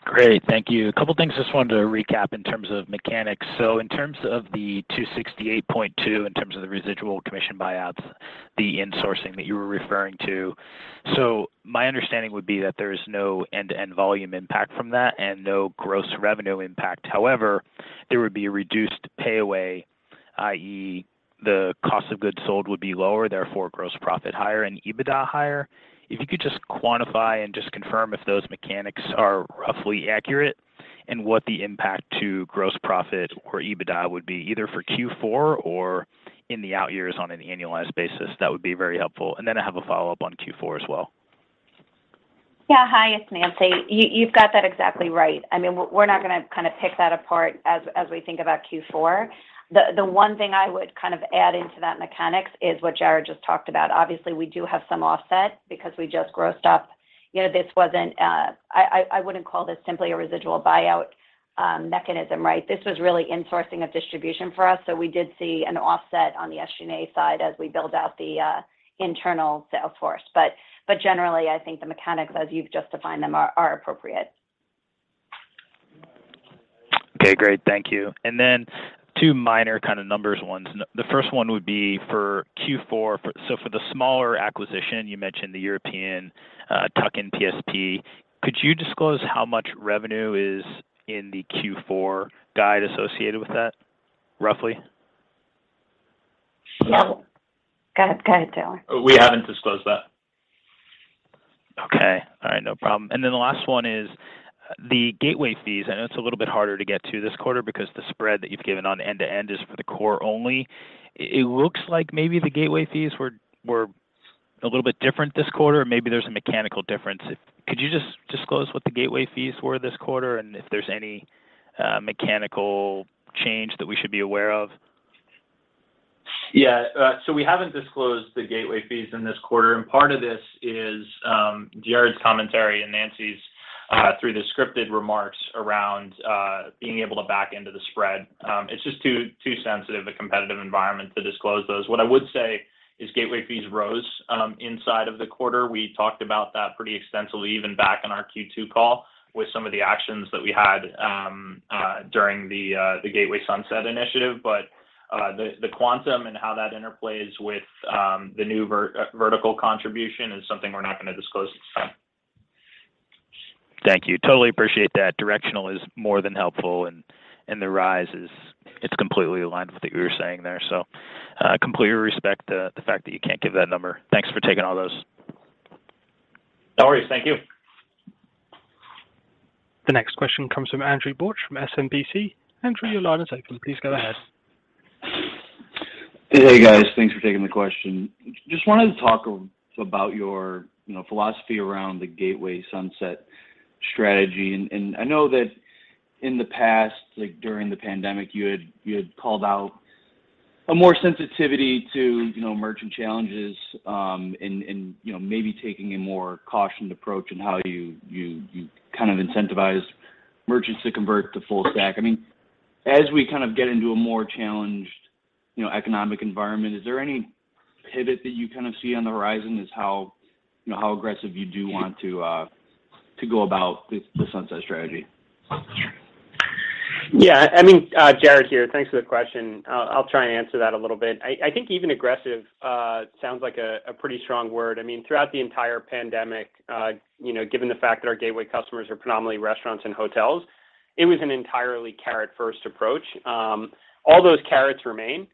Great. Thank you. A couple things just wanted to recap in terms of mechanics. In terms of the $268.2, in terms of the residual commission buyouts, the insourcing that you were referring to. My understanding would be that there is no end-to-end volume impact from that and no gross revenue impact. However, there would be a reduced pay away, i.e., the cost of goods sold would be lower, therefore, gross profit higher and EBITDA higher. If you could just quantify and just confirm if those mechanics are roughly accurate and what the impact to gross profit or EBITDA would be either for Q4 or in the outyears on an annualized basis, that would be very helpful. Then I have a follow-up on Q4 as well. Yeah. Hi, it's Nancy. You've got that exactly right. I mean, we're not gonna kind of pick that apart as we think about Q4. The one thing I would kind of add into that mechanics is what Jared just talked about. Obviously, we do have some offset because we just grossed up. You know, this wasn't. I wouldn't call this simply a residual buyout mechanism, right? This was really insourcing of distribution for us. So we did see an offset on the SG&A side as we build out the internal sales force. Generally, I think the mechanics as you've just defined them are appropriate. Okay, great. Thank you. Two minor kind of numbers ones. The first one would be for Q4. For the smaller acquisition, you mentioned the European tuck-in PSP. Could you disclose how much revenue is in the Q4 guide associated with that, roughly? No. Go ahead. Go ahead, Taylor. We haven't disclosed that. Okay. All right. No problem. The last one is the gateway fees. I know it's a little bit harder to get to this quarter because the spread that you've given on end-to-end is for the core only. It looks like maybe the gateway fees were a little bit different this quarter, or maybe there's a mechanical difference. Could you just disclose what the gateway fees were this quarter, and if there's any mechanical change that we should be aware of? Yeah, so we haven't disclosed the gateway fees in this quarter. Part of this is Jared's commentary and Nancy's through the scripted remarks around being able to back into the spread. It's just too sensitive a competitive environment to disclose those. What I would say is gateway fees rose inside of the quarter. We talked about that pretty extensively even back on our Q2 call with some of the actions that we had during the Gateway Sunset Initiative. The quantum and how that interplays with the new vertical contribution is something we're not gonna disclose this time. Thank you. Totally appreciate that. Directional is more than helpful, and the rise is, it's completely aligned with what you were saying there. Completely respect the fact that you can't give that number. Thanks for taking all those. No worries. Thank you. The next question comes from Andrew Bauch from SMBC. Andrew, your line is open. Please go ahead. Hey, guys. Thanks for taking the question. Just wanted to talk about your, you know, philosophy around the Gateway Sunset strategy. I know that in the past, like during the pandemic, you had called out a more sensitivity to, you know, merchant challenges, and, you know, maybe taking a more cautioned approach in how you kind of incentivize merchants to convert to full stack. I mean, as we kind of get into a more challenged, you know, economic environment, is there any pivot that you kind of see on the horizon as how, you know, how aggressive you do want to go about the sunset strategy? Yeah. I mean, Jared here. Thanks for the question. I'll try and answer that a little bit. I think even aggressive sounds like a pretty strong word. I mean, throughout the entire pandemic, you know, given the fact that our gateway customers are predominantly restaurants and hotels, it was an entirely carrot-first approach. All those carrots remain.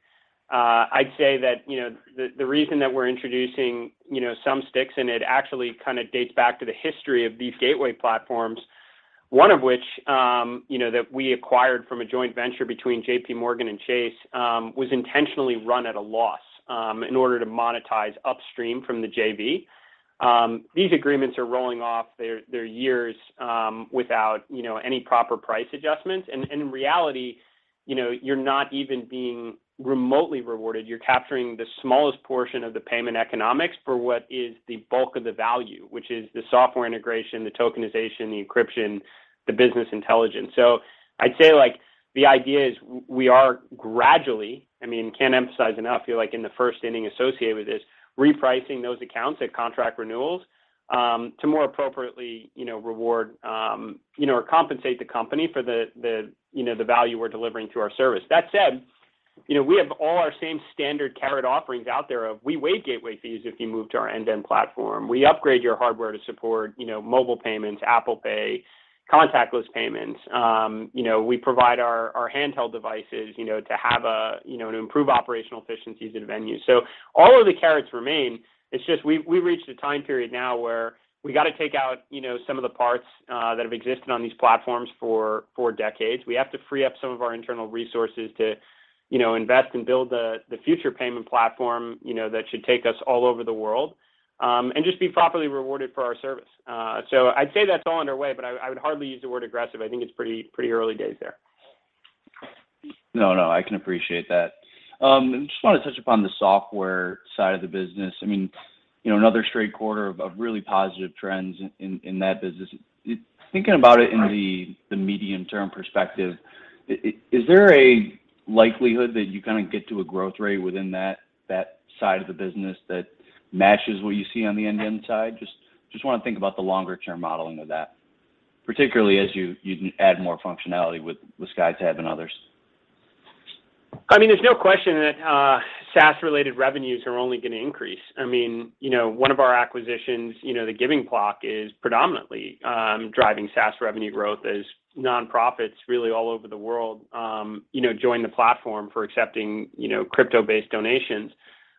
I'd say that, you know, the reason that we're introducing, you know, some sticks, and it actually kinda dates back to the history of these gateway platforms, one of which, you know, that we acquired from a joint venture between JPMorgan Chase, was intentionally run at a loss, in order to monetize upstream from the JP. These agreements are rolling off their years, without, you know, any proper price adjustments. In reality, you know, you're not even being remotely rewarded. You're capturing the smallest portion of the payment economics for what is the bulk of the value, which is the software integration, the tokenization, the encryption, the business intelligence. I'd say, like, the idea is we are gradually, I mean, can't emphasize enough, you're, like, in the first inning associated with this, repricing those accounts at contract renewals, to more appropriately, you know, reward, you know, or compensate the company for the, you know, the value we're delivering through our service. That said, you know, we have all our same standard carrot offerings out there of we waive gateway fees if you move to our end-to-end platform. We upgrade your hardware to support, you know, mobile payments, Apple Pay, contactless payments. You know, we provide our handheld devices to improve operational efficiencies at a venue. All of the carrots remain. It's just we've reached a time period now where we gotta take out some of the parts that have existed on these platforms for decades. We have to free up some of our internal resources to invest and build the future payment platform that should take us all over the world and just be properly rewarded for our service. I'd say that's all underway, but I would hardly use the word aggressive. I think it's pretty early days there. No, no, I can appreciate that. Just wanna touch upon the software side of the business. I mean, you know, another straight quarter of really positive trends in that business. Thinking about it in the medium-term perspective, is there a likelihood that you kinda get to a growth rate within that side of the business that matches what you see on the end-to-end side? Just wanna think about the longer term modeling of that, particularly as you add more functionality with SkyTab and others. I mean, there's no question that SaaS related revenues are only gonna increase. I mean, you know, one of our acquisitions, you know, The Giving Block, is predominantly driving SaaS revenue growth as nonprofits really all over the world, you know, join the platform for accepting, you know, crypto-based donations.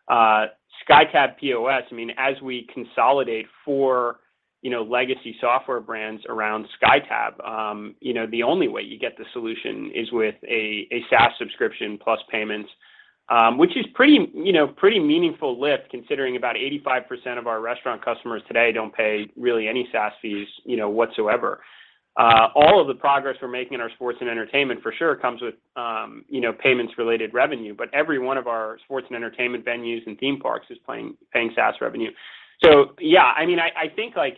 SkyTab POS, I mean, as we consolidate for, you know, legacy software brands around SkyTab, you know, the only way you get the solution is with a SaaS subscription plus payments, which is pretty meaningful lift considering about 85% of our restaurant customers today don't pay really any SaaS fees, you know, whatsoever. All of the progress we're making in our sports and entertainment for sure comes with, you know, payments-related revenue, but every one of our sports and entertainment venues and theme parks is paying SaaS revenue. Yeah, I mean, I think, like,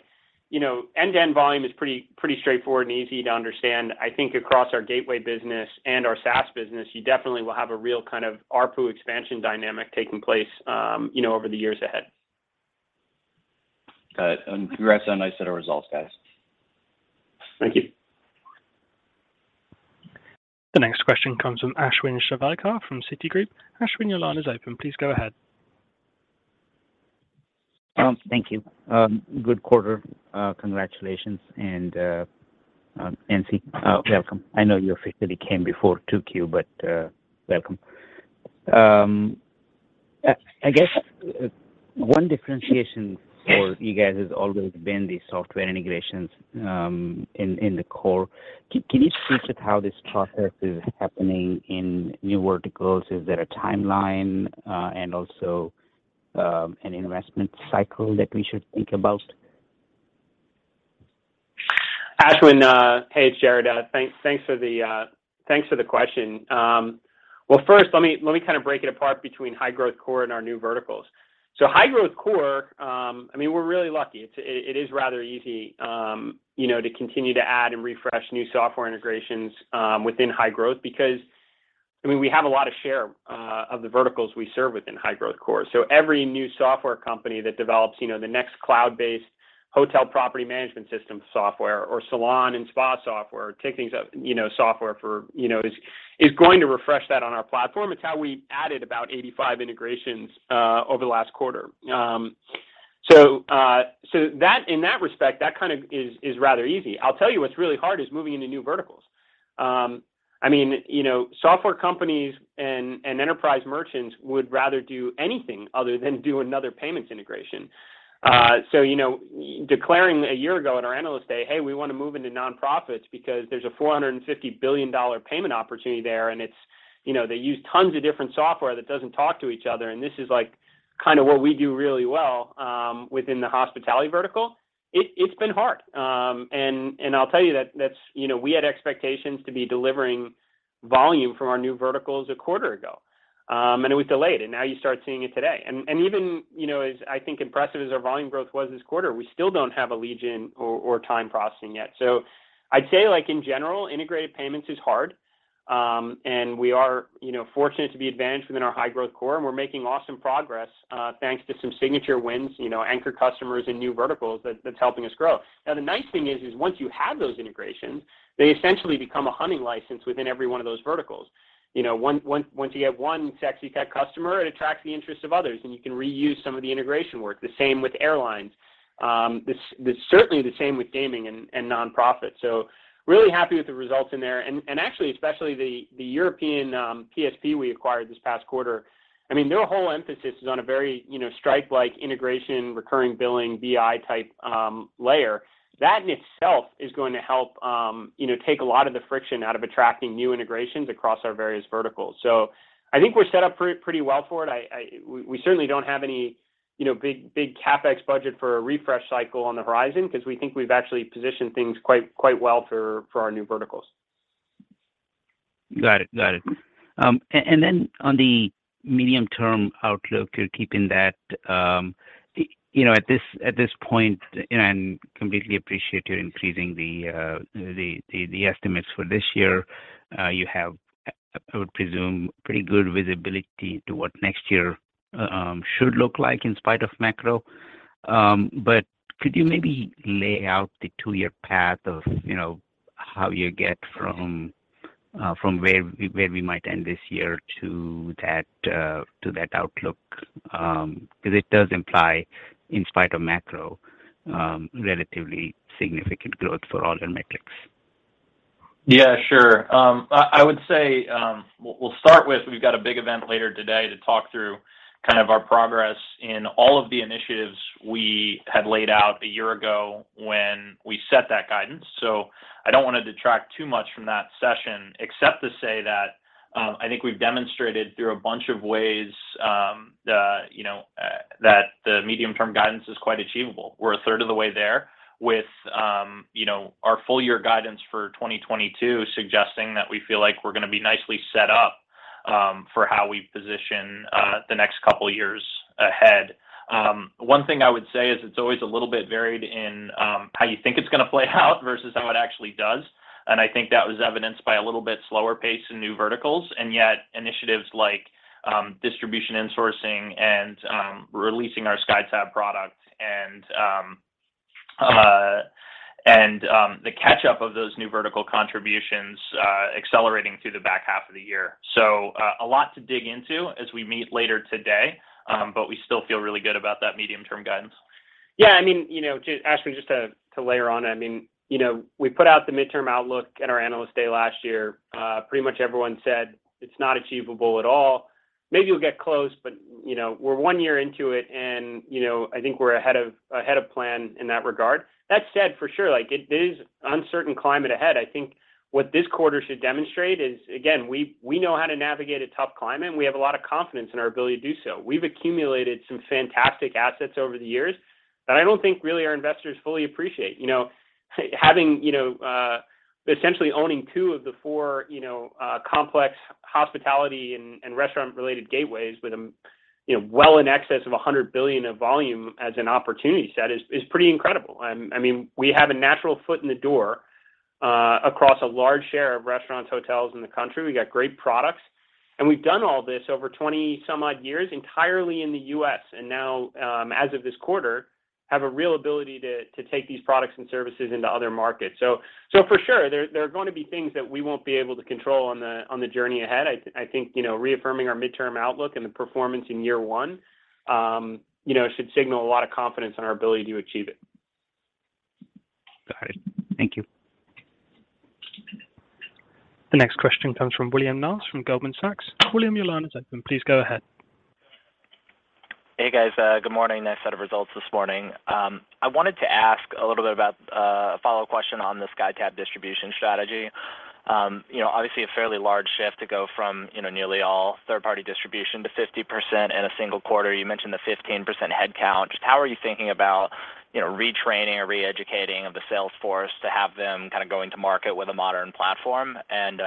you know, end-to-end volume is pretty straightforward and easy to understand. I think across our gateway business and our SaaS business, you definitely will have a real kind of ARPU expansion dynamic taking place, you know, over the years ahead. Got it. Congrats on a nice set of results, guys. Thank you. The next question comes from Ashwin Shirvaikar from Citigroup. Ashwin, your line is open. Please go ahead. Thank you. Good quarter. Congratulations. Nancy, welcome. I know you officially came before 2Q, but welcome. I guess one differentiation for you guys has always been the software integrations in the core. Can you speak to how this process is happening in new verticals? Is there a timeline, and also, an investment cycle that we should think about? Ashwin, hey, it's Jared. Thanks for the question. Well, first let me kind of break it apart between high growth core and our new verticals. High growth core, I mean, we're really lucky. It is rather easy, you know, to continue to add and refresh new software integrations within high growth because, I mean, we have a lot of share of the verticals we serve within high growth core. Every new software company that develops, you know, the next cloud-based hotel property management system software or salon and spa software, you know, is going to refresh that on our platform. It's how we added about 85 integrations over the last quarter. In that respect, that kind of is rather easy. I'll tell you what's really hard is moving into new verticals. I mean, you know, software companies and enterprise merchants would rather do anything other than do another payments integration. So you know, declaring a year ago at our Analyst Day, "Hey, we wanna move into nonprofits because there's a $450 billion payment opportunity there, and it's, you know, they use tons of different software that doesn't talk to each other." This is like kinda what we do really well within the hospitality vertical. It's been hard. I'll tell you that's, you know, we had expectations to be delivering volume from our new verticals a quarter ago, and it was delayed, and now you start seeing it today. even, you know, as I think impressive as our volume growth was this quarter, we still don't have Allegiant or Time processing yet. I'd say like in general, integrated payments is hard. we are, you know, fortunate to be advantaged within our high growth core, and we're making awesome progress, thanks to some signature wins, you know, anchor customers and new verticals that's helping us grow. Now, the nice thing is once you have those integrations, they essentially become a hunting license within every one of those verticals. You know, once you have one sexy tech customer, it attracts the interest of others, and you can reuse some of the integration work. The same with airlines. it's certainly the same with gaming and nonprofits. really happy with the results in there. Actually especially the European PSP we acquired this past quarter. I mean, their whole emphasis is on a very, you know, Stripe-like integration, recurring billing, BI-type layer. That in itself is going to help, you know, take a lot of the friction out of attracting new integrations across our various verticals. I think we're set up pretty well for it. We certainly don't have any, you know, big CapEx budget for a refresh cycle on the horizon because we think we've actually positioned things quite well for our new verticals. Got it. On the medium-term outlook, keeping that, you know, at this point, and completely appreciate you increasing the estimates for this year, you have, I would presume, pretty good visibility to what next year should look like in spite of macro. Could you maybe lay out the two-year path of, you know, how you get from where we might end this year to that outlook? 'Cause it does imply, in spite of macro, relatively significant growth for all your metrics. Yeah, sure. I would say we'll start with we've got a big event later today to talk through kind of our progress in all of the initiatives we had laid out a year ago when we set that guidance. I don't wanna detract too much from that session except to say that I think we've demonstrated through a bunch of ways, you know, that the medium-term guidance is quite achievable. We're a third of the way there with, you know, our full year guidance for 2022 suggesting that we feel like we're gonna be nicely set up, for how we position the next couple years ahead. One thing I would say is it's always a little bit varied in how you think it's gonna play out versus how it actually does. I think that was evidenced by a little bit slower pace in new verticals, and yet initiatives like distribution insourcing and releasing our SkyTab product and the catch-up of those new vertical contributions accelerating through the back half of the year. A lot to dig into as we meet later today, but we still feel really good about that medium-term guidance. Yeah, I mean, you know, Ashwin, just to layer on, I mean, you know, we put out the midterm outlook at our Analyst Day last year. Pretty much everyone said it's not achievable at all. Maybe you'll get close, but, you know, we're one year into it and, you know, I think we're ahead of plan in that regard. That said, for sure, like, it is uncertain climate ahead. I think what this quarter should demonstrate is, again, we know how to navigate a tough climate, and we have a lot of confidence in our ability to do so. We've accumulated some fantastic assets over the years that I don't think really our investors fully appreciate. Having essentially owning two of the four complex hospitality and restaurant-related gateways with well in excess of $100 billion of volume as an opportunity set is pretty incredible. I mean, we have a natural foot in the door across a large share of restaurants, hotels in the country. We got great products, and we've done all this over 20-some odd years entirely in the U.S., and now, as of this quarter, have a real ability to take these products and services into other markets. For sure, there are gonna be things that we won't be able to control on the journey ahead. I think, you know, reaffirming our midterm outlook and the performance in year one, you know, should signal a lot of confidence in our ability to achieve it. Got it. Thank you. The next question comes from Will Nance from Goldman Sachs. Will, your line is open. Please go ahead. Hey, guys. Good morning. Nice set of results this morning. I wanted to ask a little bit about a follow question on the SkyTab distribution strategy. You know, obviously a fairly large shift to go from, you know, nearly all third-party distribution to 50% in a single quarter. You mentioned the 15% headcount. Just how are you thinking about, you know, retraining or re-educating of the sales force to have them kinda going to market with a modern platform? And,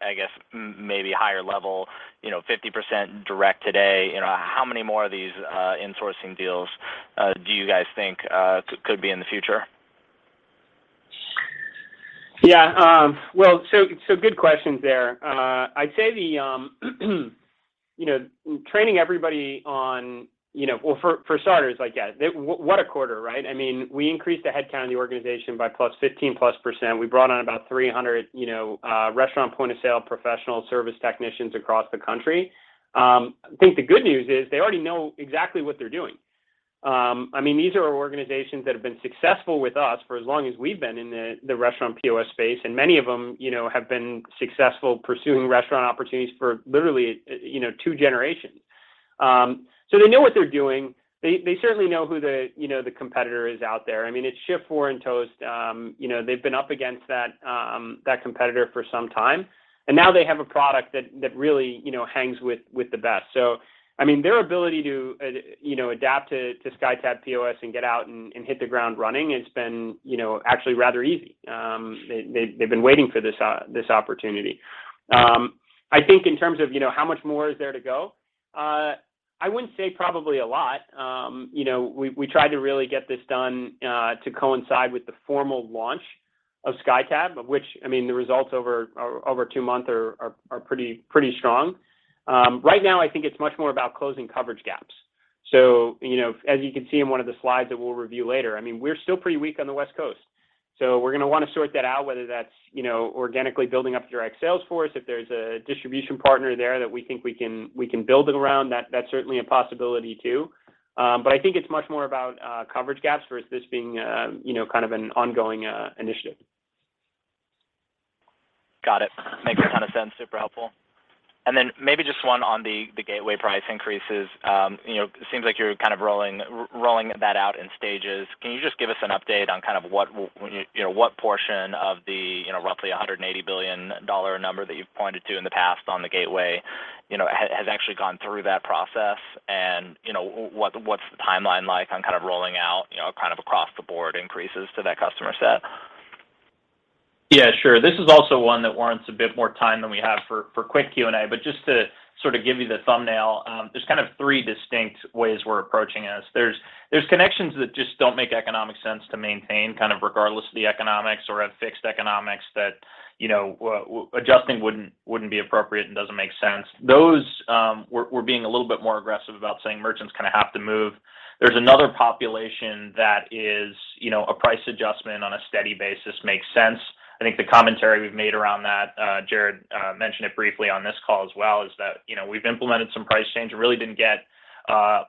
I guess maybe higher level, you know, 50% direct today. You know, how many more of these insourcing deals do you guys think could be in the future? Yeah. Good questions there. I'd say the, you know, training everybody on, you know. Well, for starters, like, yeah, what a quarter, right? I mean, we increased the headcount of the organization by plus 15%+. We brought on about 300, you know, restaurant point-of-sale professional service technicians across the country. I think the good news is they already know exactly what they're doing. I mean, these are organizations that have been successful with us for as long as we've been in the restaurant POS space, and many of them, you know, have been successful pursuing restaurant opportunities for literally, you know, two generations. They know what they're doing. They certainly know who the, you know, the competitor is out there. I mean, it's Shift4 and Toast. You know, they've been up against that competitor for some time, and now they have a product that really, you know, hangs with the best. I mean, their ability to, you know, adapt to SkyTab POS and get out and hit the ground running, it's been, you know, actually rather easy. They've been waiting for this opportunity. I think in terms of, you know, how much more is there to go, I wouldn't say probably a lot. You know, we tried to really get this done to coincide with the formal launch of SkyTab, of which, I mean, the results over two months are pretty strong. Right now I think it's much more about closing coverage gaps. You know, as you can see in one of the slides that we'll review later, I mean, we're still pretty weak on the West Coast. We're gonna wanna sort that out, whether that's, you know, organically building up direct sales force. If there's a distribution partner there that we think we can build it around, that's certainly a possibility too. But I think it's much more about coverage gaps versus this being, you know, kind of an ongoing initiative. Got it. Makes a ton of sense. Super helpful. Then maybe just one on the gateway price increases. You know, it seems like you're kind of rolling that out in stages. Can you just give us an update on kind of what you know, what portion of the, you know, roughly $180 billion number that you've pointed to in the past on the gateway, you know, has actually gone through that process? You know, what's the timeline like on kind of rolling out, you know, kind of across the board increases to that customer set? Yeah, sure. This is also one that warrants a bit more time than we have for quick Q&A. Just to sort of give you the thumbnail, there's kind of three distinct ways we're approaching this. There's connections that just don't make economic sense to maintain kind of regardless of the economics or have fixed economics that, you know, adjusting wouldn't be appropriate and doesn't make sense. Those, we're being a little bit more aggressive about saying merchants kinda have to move. There's another population that is, you know, a price adjustment on a steady basis makes sense. I think the commentary we've made around that, Jared, mentioned it briefly on this call as well, is that, you know, we've implemented some price change and really didn't get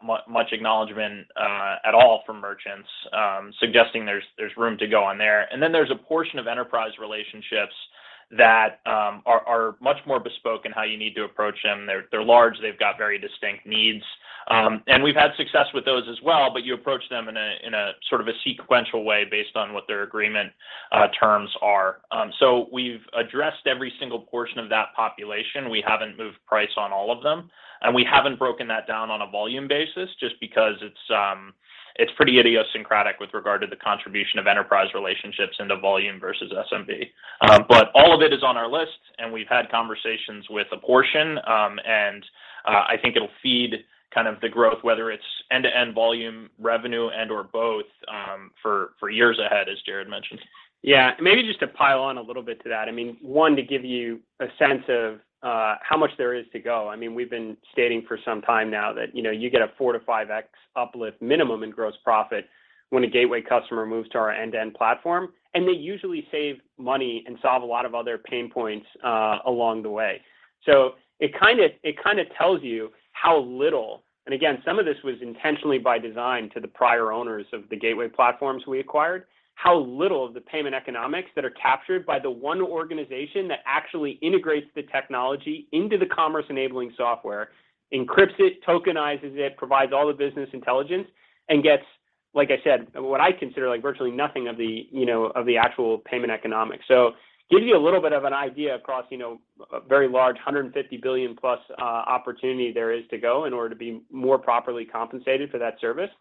much acknowledgment at all from merchants, suggesting there's room to go on there. There's a portion of enterprise relationships that are much more bespoke in how you need to approach them. They're large, they've got very distinct needs. We've had success with those as well, but you approach them in a sort of sequential way based on what their agreement terms are. We've addressed every single portion of that population. We haven't moved price on all of them, and we haven't broken that down on a volume basis just because it's pretty idiosyncratic with regard to the contribution of enterprise relationships into volume versus SMB. All of it is on our list, and we've had conversations with a portion. I think it'll feed kind of the growth, whether it's end-to-end volume, revenue, and/or both, for years ahead, as Jared mentioned. Yeah. Maybe just to pile on a little bit to that. I mean, one, to give you a sense of how much there is to go. I mean, we've been stating for some time now that, you know, you get a 4x-5x uplift minimum in gross profit when a gateway customer moves to our end-to-end platform. They usually save money and solve a lot of other pain points along the way. It kinda tells you how little, and again, some of this was intentionally by design to the prior owners of the gateway platforms we acquired, how little of the payment economics that are captured by the one organization that actually integrates the technology into the commerce-enabling software, encrypts it, tokenizes it, provides all the business intelligence, and gets, like I said, what I consider like virtually nothing of the, you know, of the actual payment economics. It gives you a little bit of an idea across, you know, a very large $150 billion+ opportunity there is to go in order to be more properly compensated for that service.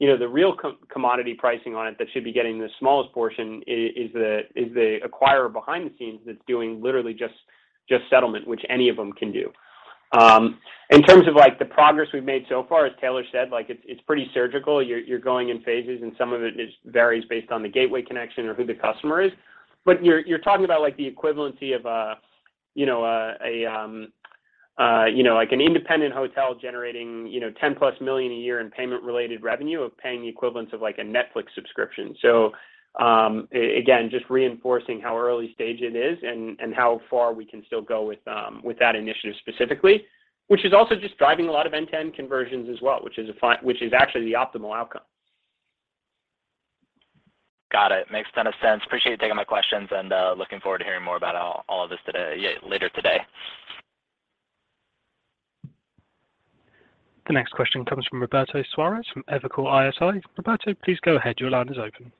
You know, the real commodity pricing on it that should be getting the smallest portion is the acquirer behind the scenes that's doing literally just settlement, which any of them can do. In terms of, like, the progress we've made so far, as Taylor said, like it's pretty surgical. You're going in phases, and some of it varies based on the gateway connection or who the customer is. You're talking about, like, the equivalency of you know, like an independent hotel generating you know, $10+ million a year in payment-related revenue of paying the equivalent of, like, a Netflix subscription. Again, just reinforcing how early stage it is and how far we can still go with that initiative specifically, which is also just driving a lot of end-to-end conversions as well, which is actually the optimal outcome. Got it. Makes a ton of sense. I appreciate you taking my questions and looking forward to hearing more about all of this today. Yeah, later today. The next question comes from Ramsey El-Assal from Evercore ISI. Ramsey, please go ahead. Your line is open.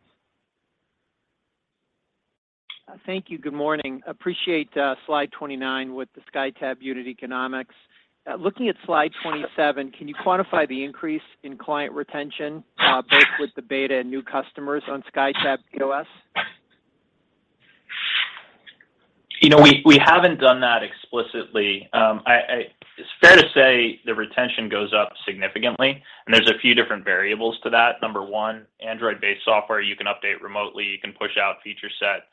Thank you. Good morning. Appreciate slide 29 with the SkyTab unit economics. Looking at slide 27, can you quantify the increase in client retention, both with the beta and new customers on SkyTab POS? You know, we haven't done that explicitly. It's fair to say the retention goes up significantly, and there's a few different variables to that. Number one, Android-based software, you can update remotely, you can push out feature set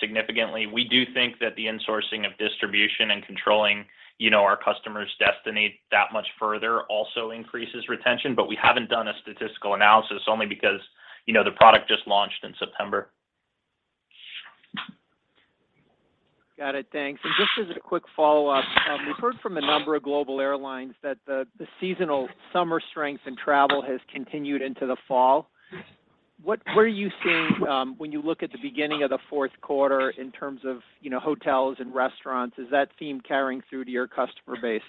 significantly. We do think that the insourcing of distribution and controlling, you know, our customers' destiny that much further also increases retention. We haven't done a statistical analysis only because, you know, the product just launched in September. Got it. Thanks. Just as a quick follow-up, we've heard from a number of global airlines that the seasonal summer strength in travel has continued into the fall. What are you seeing when you look at the beginning of the fourth quarter in terms of, you know, hotels and restaurants? Is that theme carrying through to your customer base?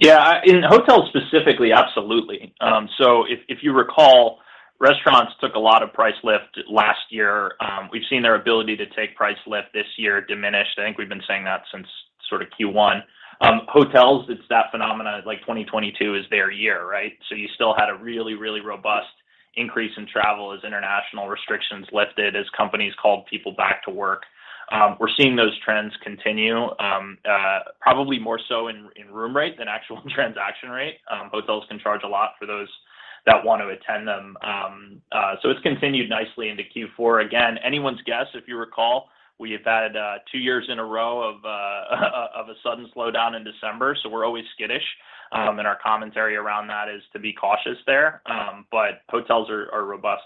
Yeah. In hotels specifically, absolutely. So if you recall, restaurants took a lot of price lift last year. We've seen their ability to take price lift this year diminished. I think we've been saying that since sort of Q1. Hotels, it's that phenomena, like, 2022 is their year, right? You still had a really, really robust increase in travel as international restrictions lifted, as companies called people back to work. We're seeing those trends continue, probably more so in room rate than actual transaction rate. Hotels can charge a lot for those that want to attend them. It's continued nicely into Q4. Again, anyone's guess, if you recall, we've had two years in a row of a sudden slowdown in December, so we're always skittish. Our commentary around that is to be cautious there. Hotels are robust.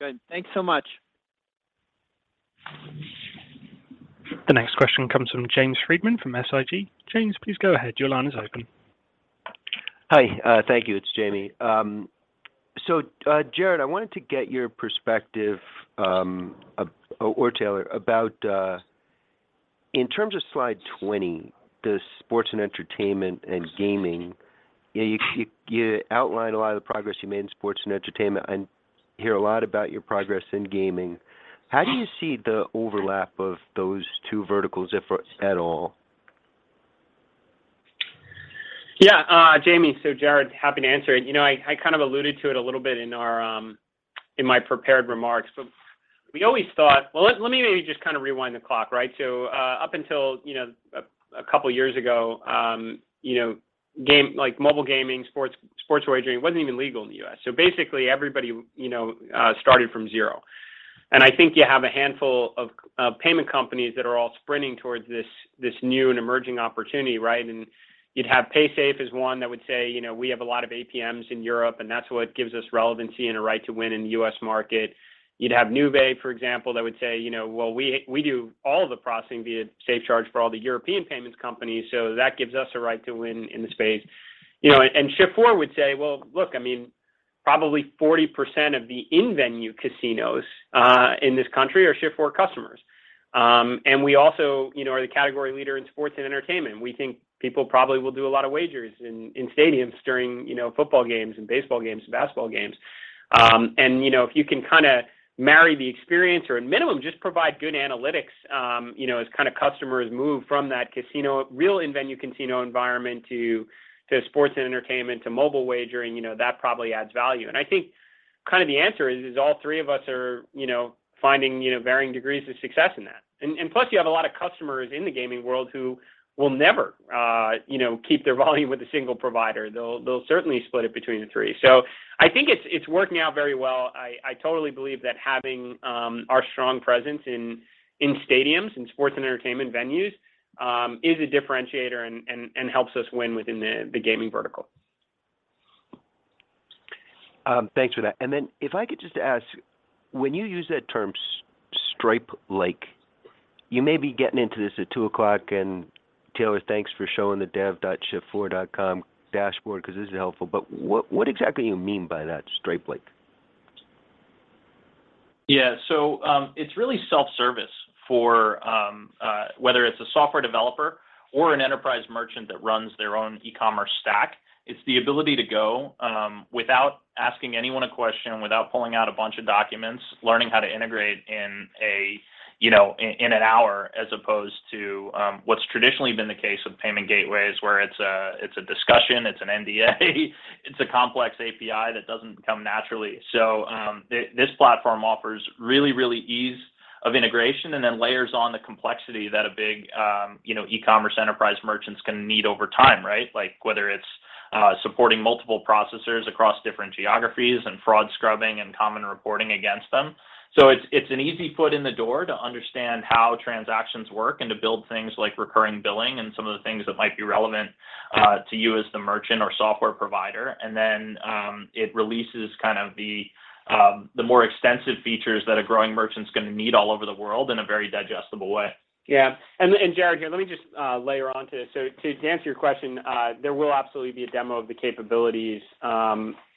Good. Thanks so much. The next question comes from James Friedman from SIG. James, please go ahead. Your line is open. Hi, thank you. It's Jamie. Jared, I wanted to get your perspective or Taylor about. In terms of slide 20, the sports and entertainment and gaming, you know, you outlined a lot of the progress you made in sports and entertainment and hear a lot about your progress in gaming. How do you see the overlap of those two verticals, if at all? Jamie. Jared, happy to answer it. You know, I kind of alluded to it a little bit in our, in my prepared remarks, but we always thought. Well, let me maybe just kinda rewind the clock, right? Up until a couple of years ago, you know, like mobile gaming, sports wagering wasn't even legal in the U.S. Basically everybody started from zero. I think you have a handful of payment companies that are all sprinting towards this new and emerging opportunity, right? You'd have Paysafe as one that would say, "You know, we have a lot of APMs in Europe, and that's what gives us relevancy and a right to win in the U.S. market." You'd have Nuvei, for example, that would say, you know, "Well, we do all the processing via SafeCharge for all the European payments companies, so that gives us a right to win in the space." You know, Shift4 would say, "Well, look, I mean, probably 40% of the in-venue casinos in this country are Shift4 customers. And we also, you know, are the category leader in sports and entertainment. We think people probably will do a lot of wagers in stadiums during, you know, football games and baseball games and basketball games. You know, if you can kinda marry the experience or at minimum just provide good analytics, you know, as kinda customers move from that casino, real in-venue casino environment to sports and entertainment, to mobile wagering, you know, that probably adds value. I think kinda the answer is all three of us are, you know, finding, you know, varying degrees of success in that. Plus you have a lot of customers in the gaming world who will never, you know, keep their volume with a single provider. They'll certainly split it between the three. I think it's working out very well. I totally believe that having our strong presence in stadiums, in sports and entertainment venues, is a differentiator and helps us win within the gaming vertical. Thanks for that. If I could just ask, when you use that term Stripe-like, you may be getting into this at two o'clock. Taylor, thanks for showing the dev.shift4.com dashboard because this is helpful. What exactly you mean by that, Stripe-like? Yeah. It's really self-service for whether it's a software developer or an enterprise merchant that runs their own e-commerce stack. It's the ability to go without asking anyone a question, without pulling out a bunch of documents, learning how to integrate in a, you know, in an hour, as opposed to what's traditionally been the case with payment gateways, where it's a discussion, it's an NDA, it's a complex API that doesn't come naturally. This platform offers really ease of integration and then layers on the complexity that a big, you know, e-commerce enterprise merchants can need over time, right? Like, whether it's supporting multiple processors across different geographies and fraud scrubbing and common reporting against them. It's an easy foot in the door to understand how transactions work and to build things like recurring billing and some of the things that might be relevant to you as the merchant or software provider. It releases kind of the more extensive features that a growing merchant's gonna need all over the world in a very digestible way. Yeah, Jared, here, let me just layer onto it. To answer your question, there will absolutely be a demo of the capabilities,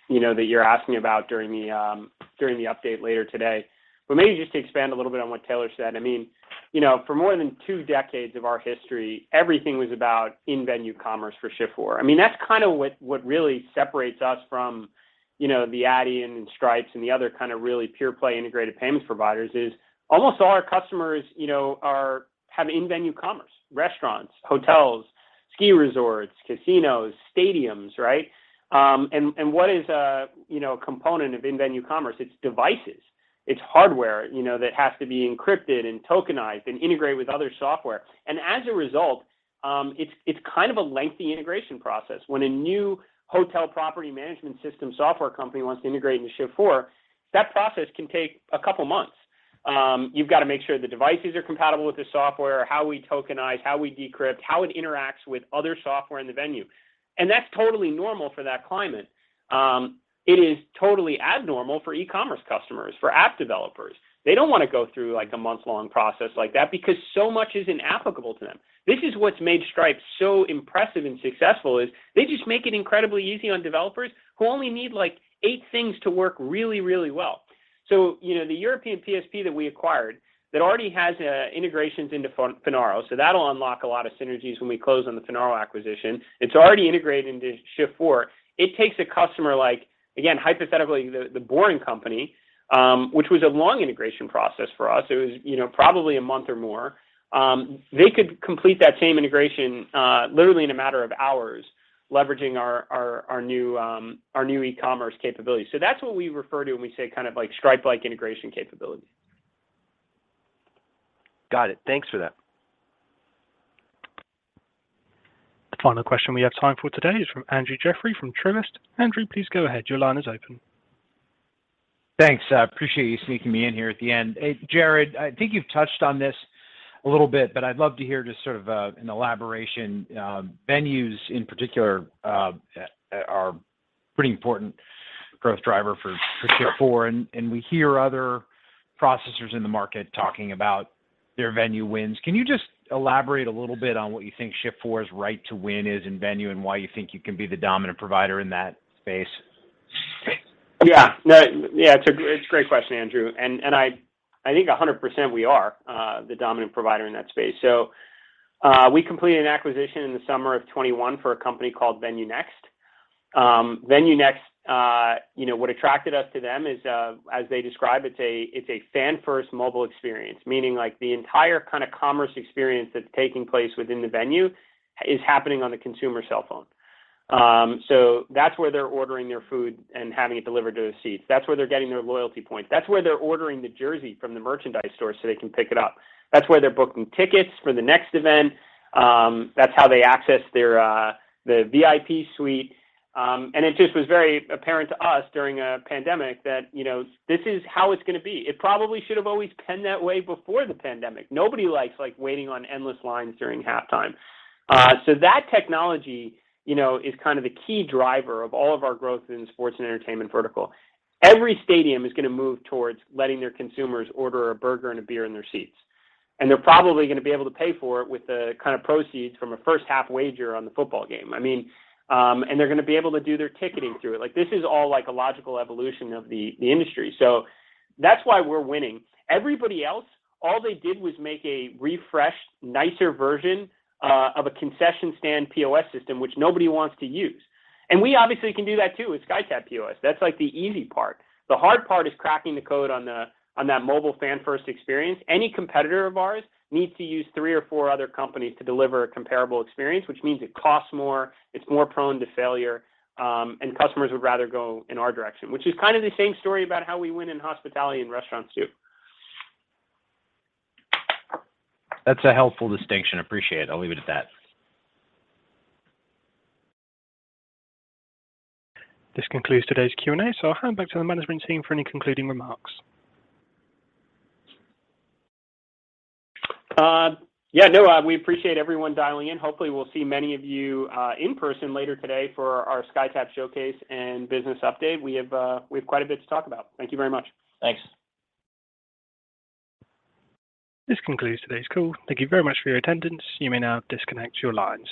you know, that you're asking about during the update later today. Maybe just to expand a little bit on what Taylor said, I mean, you know, for more than two decades of our history, everything was about in-venue commerce for Shift4. I mean, that's kinda what really separates us from you know, the Adyen and Stripe and the other kind of really pure play integrated payment providers is almost all our customers, you know, are have in-venue commerce, restaurants, hotels, ski resorts, casinos, stadiums, right? What is a, you know, component of in-venue commerce? It's devices, it's hardware, you know, that has to be encrypted and tokenized and integrated with other software. It's kind of a lengthy integration process. When a new hotel property management system software company wants to integrate into Shift4, that process can take a couple months. You've got to make sure the devices are compatible with the software, how we tokenize, how we decrypt, how it interacts with other software in the venue. That's totally normal for that climate. It is totally abnormal for e-commerce customers, for app developers. They don't want to go through like a month-long process like that because so much isn't applicable to them. This is what's made Stripe so impressive and successful is they just make it incredibly easy on developers who only need like eight things to work really, really well. You know, the European PSP that we acquired that already has integrations into Finaro, so that'll unlock a lot of synergies when we close on the Finaro acquisition. It's already integrated into Shift4. It takes a customer like, again, hypothetically, The Boring Company, which was a long integration process for us. It was, you know, probably a month or more. They could complete that same integration literally in a matter of hours leveraging our new e-commerce capabilities. That's what we refer to when we say kind of like Stripe-like integration capability. Got it. Thanks for that. The final question we have time for today is from Andrew Jeffrey from Truist. Andrew, please go ahead. Your line is open. Thanks. I appreciate you sneaking me in here at the end. Hey, Jared, I think you've touched on this a little bit, but I'd love to hear just sort of an elaboration. Venues in particular are pretty important growth driver for Shift4, and we hear other processors in the market talking about their venue wins. Can you just elaborate a little bit on what you think Shift4's right to win is in venue and why you think you can be the dominant provider in that space? Yeah, it's a great question, Andrew. I think 100% we are the dominant provider in that space. We completed an acquisition in the summer of 2021 for a company called VenueNext. VenueNext, you know, what attracted us to them is, as they describe it's a fan-first mobile experience, meaning like the entire kind of commerce experience that's taking place within the venue is happening on the consumer cell phone. So that's where they're ordering their food and having it delivered to their seats. That's where they're getting their loyalty points. That's where they're ordering the jersey from the merchandise store, so they can pick it up. That's where they're booking tickets for the next event. That's how they access their the VIP suite. It just was very apparent to us during a pandemic that, you know, this is how it's gonna be. It probably should have always been that way before the pandemic. Nobody likes waiting on endless lines during halftime. That technology, you know, is kind of the key driver of all of our growth in sports and entertainment vertical. Every stadium is gonna move towards letting their consumers order a burger and a beer in their seats, and they're probably gonna be able to pay for it with the kind of proceeds from a first-half wager on the football game. I mean, they're gonna be able to do their ticketing through it. Like, this is all like a logical evolution of the industry. That's why we're winning. Everybody else, all they did was make a refreshed, nicer version of a concession stand POS system, which nobody wants to use. We obviously can do that too with SkyTab POS. That's like the easy part. The hard part is cracking the code on that mobile fan-first experience. Any competitor of ours needs to use three or four other companies to deliver a comparable experience, which means it costs more, it's more prone to failure, and customers would rather go in our direction, which is kind of the same story about how we win in hospitality and restaurants too. That's a helpful distinction. Appreciate it. I'll leave it at that. This concludes today's Q&A, so I'll hand back to the management team for any concluding remarks. Yeah, no, we appreciate everyone dialing in. Hopefully, we'll see many of you in person later today for our SkyTab showcase and business update. We have quite a bit to talk about. Thank you very much. Thanks. This concludes today's call. Thank you very much for your attendance. You may now disconnect your lines.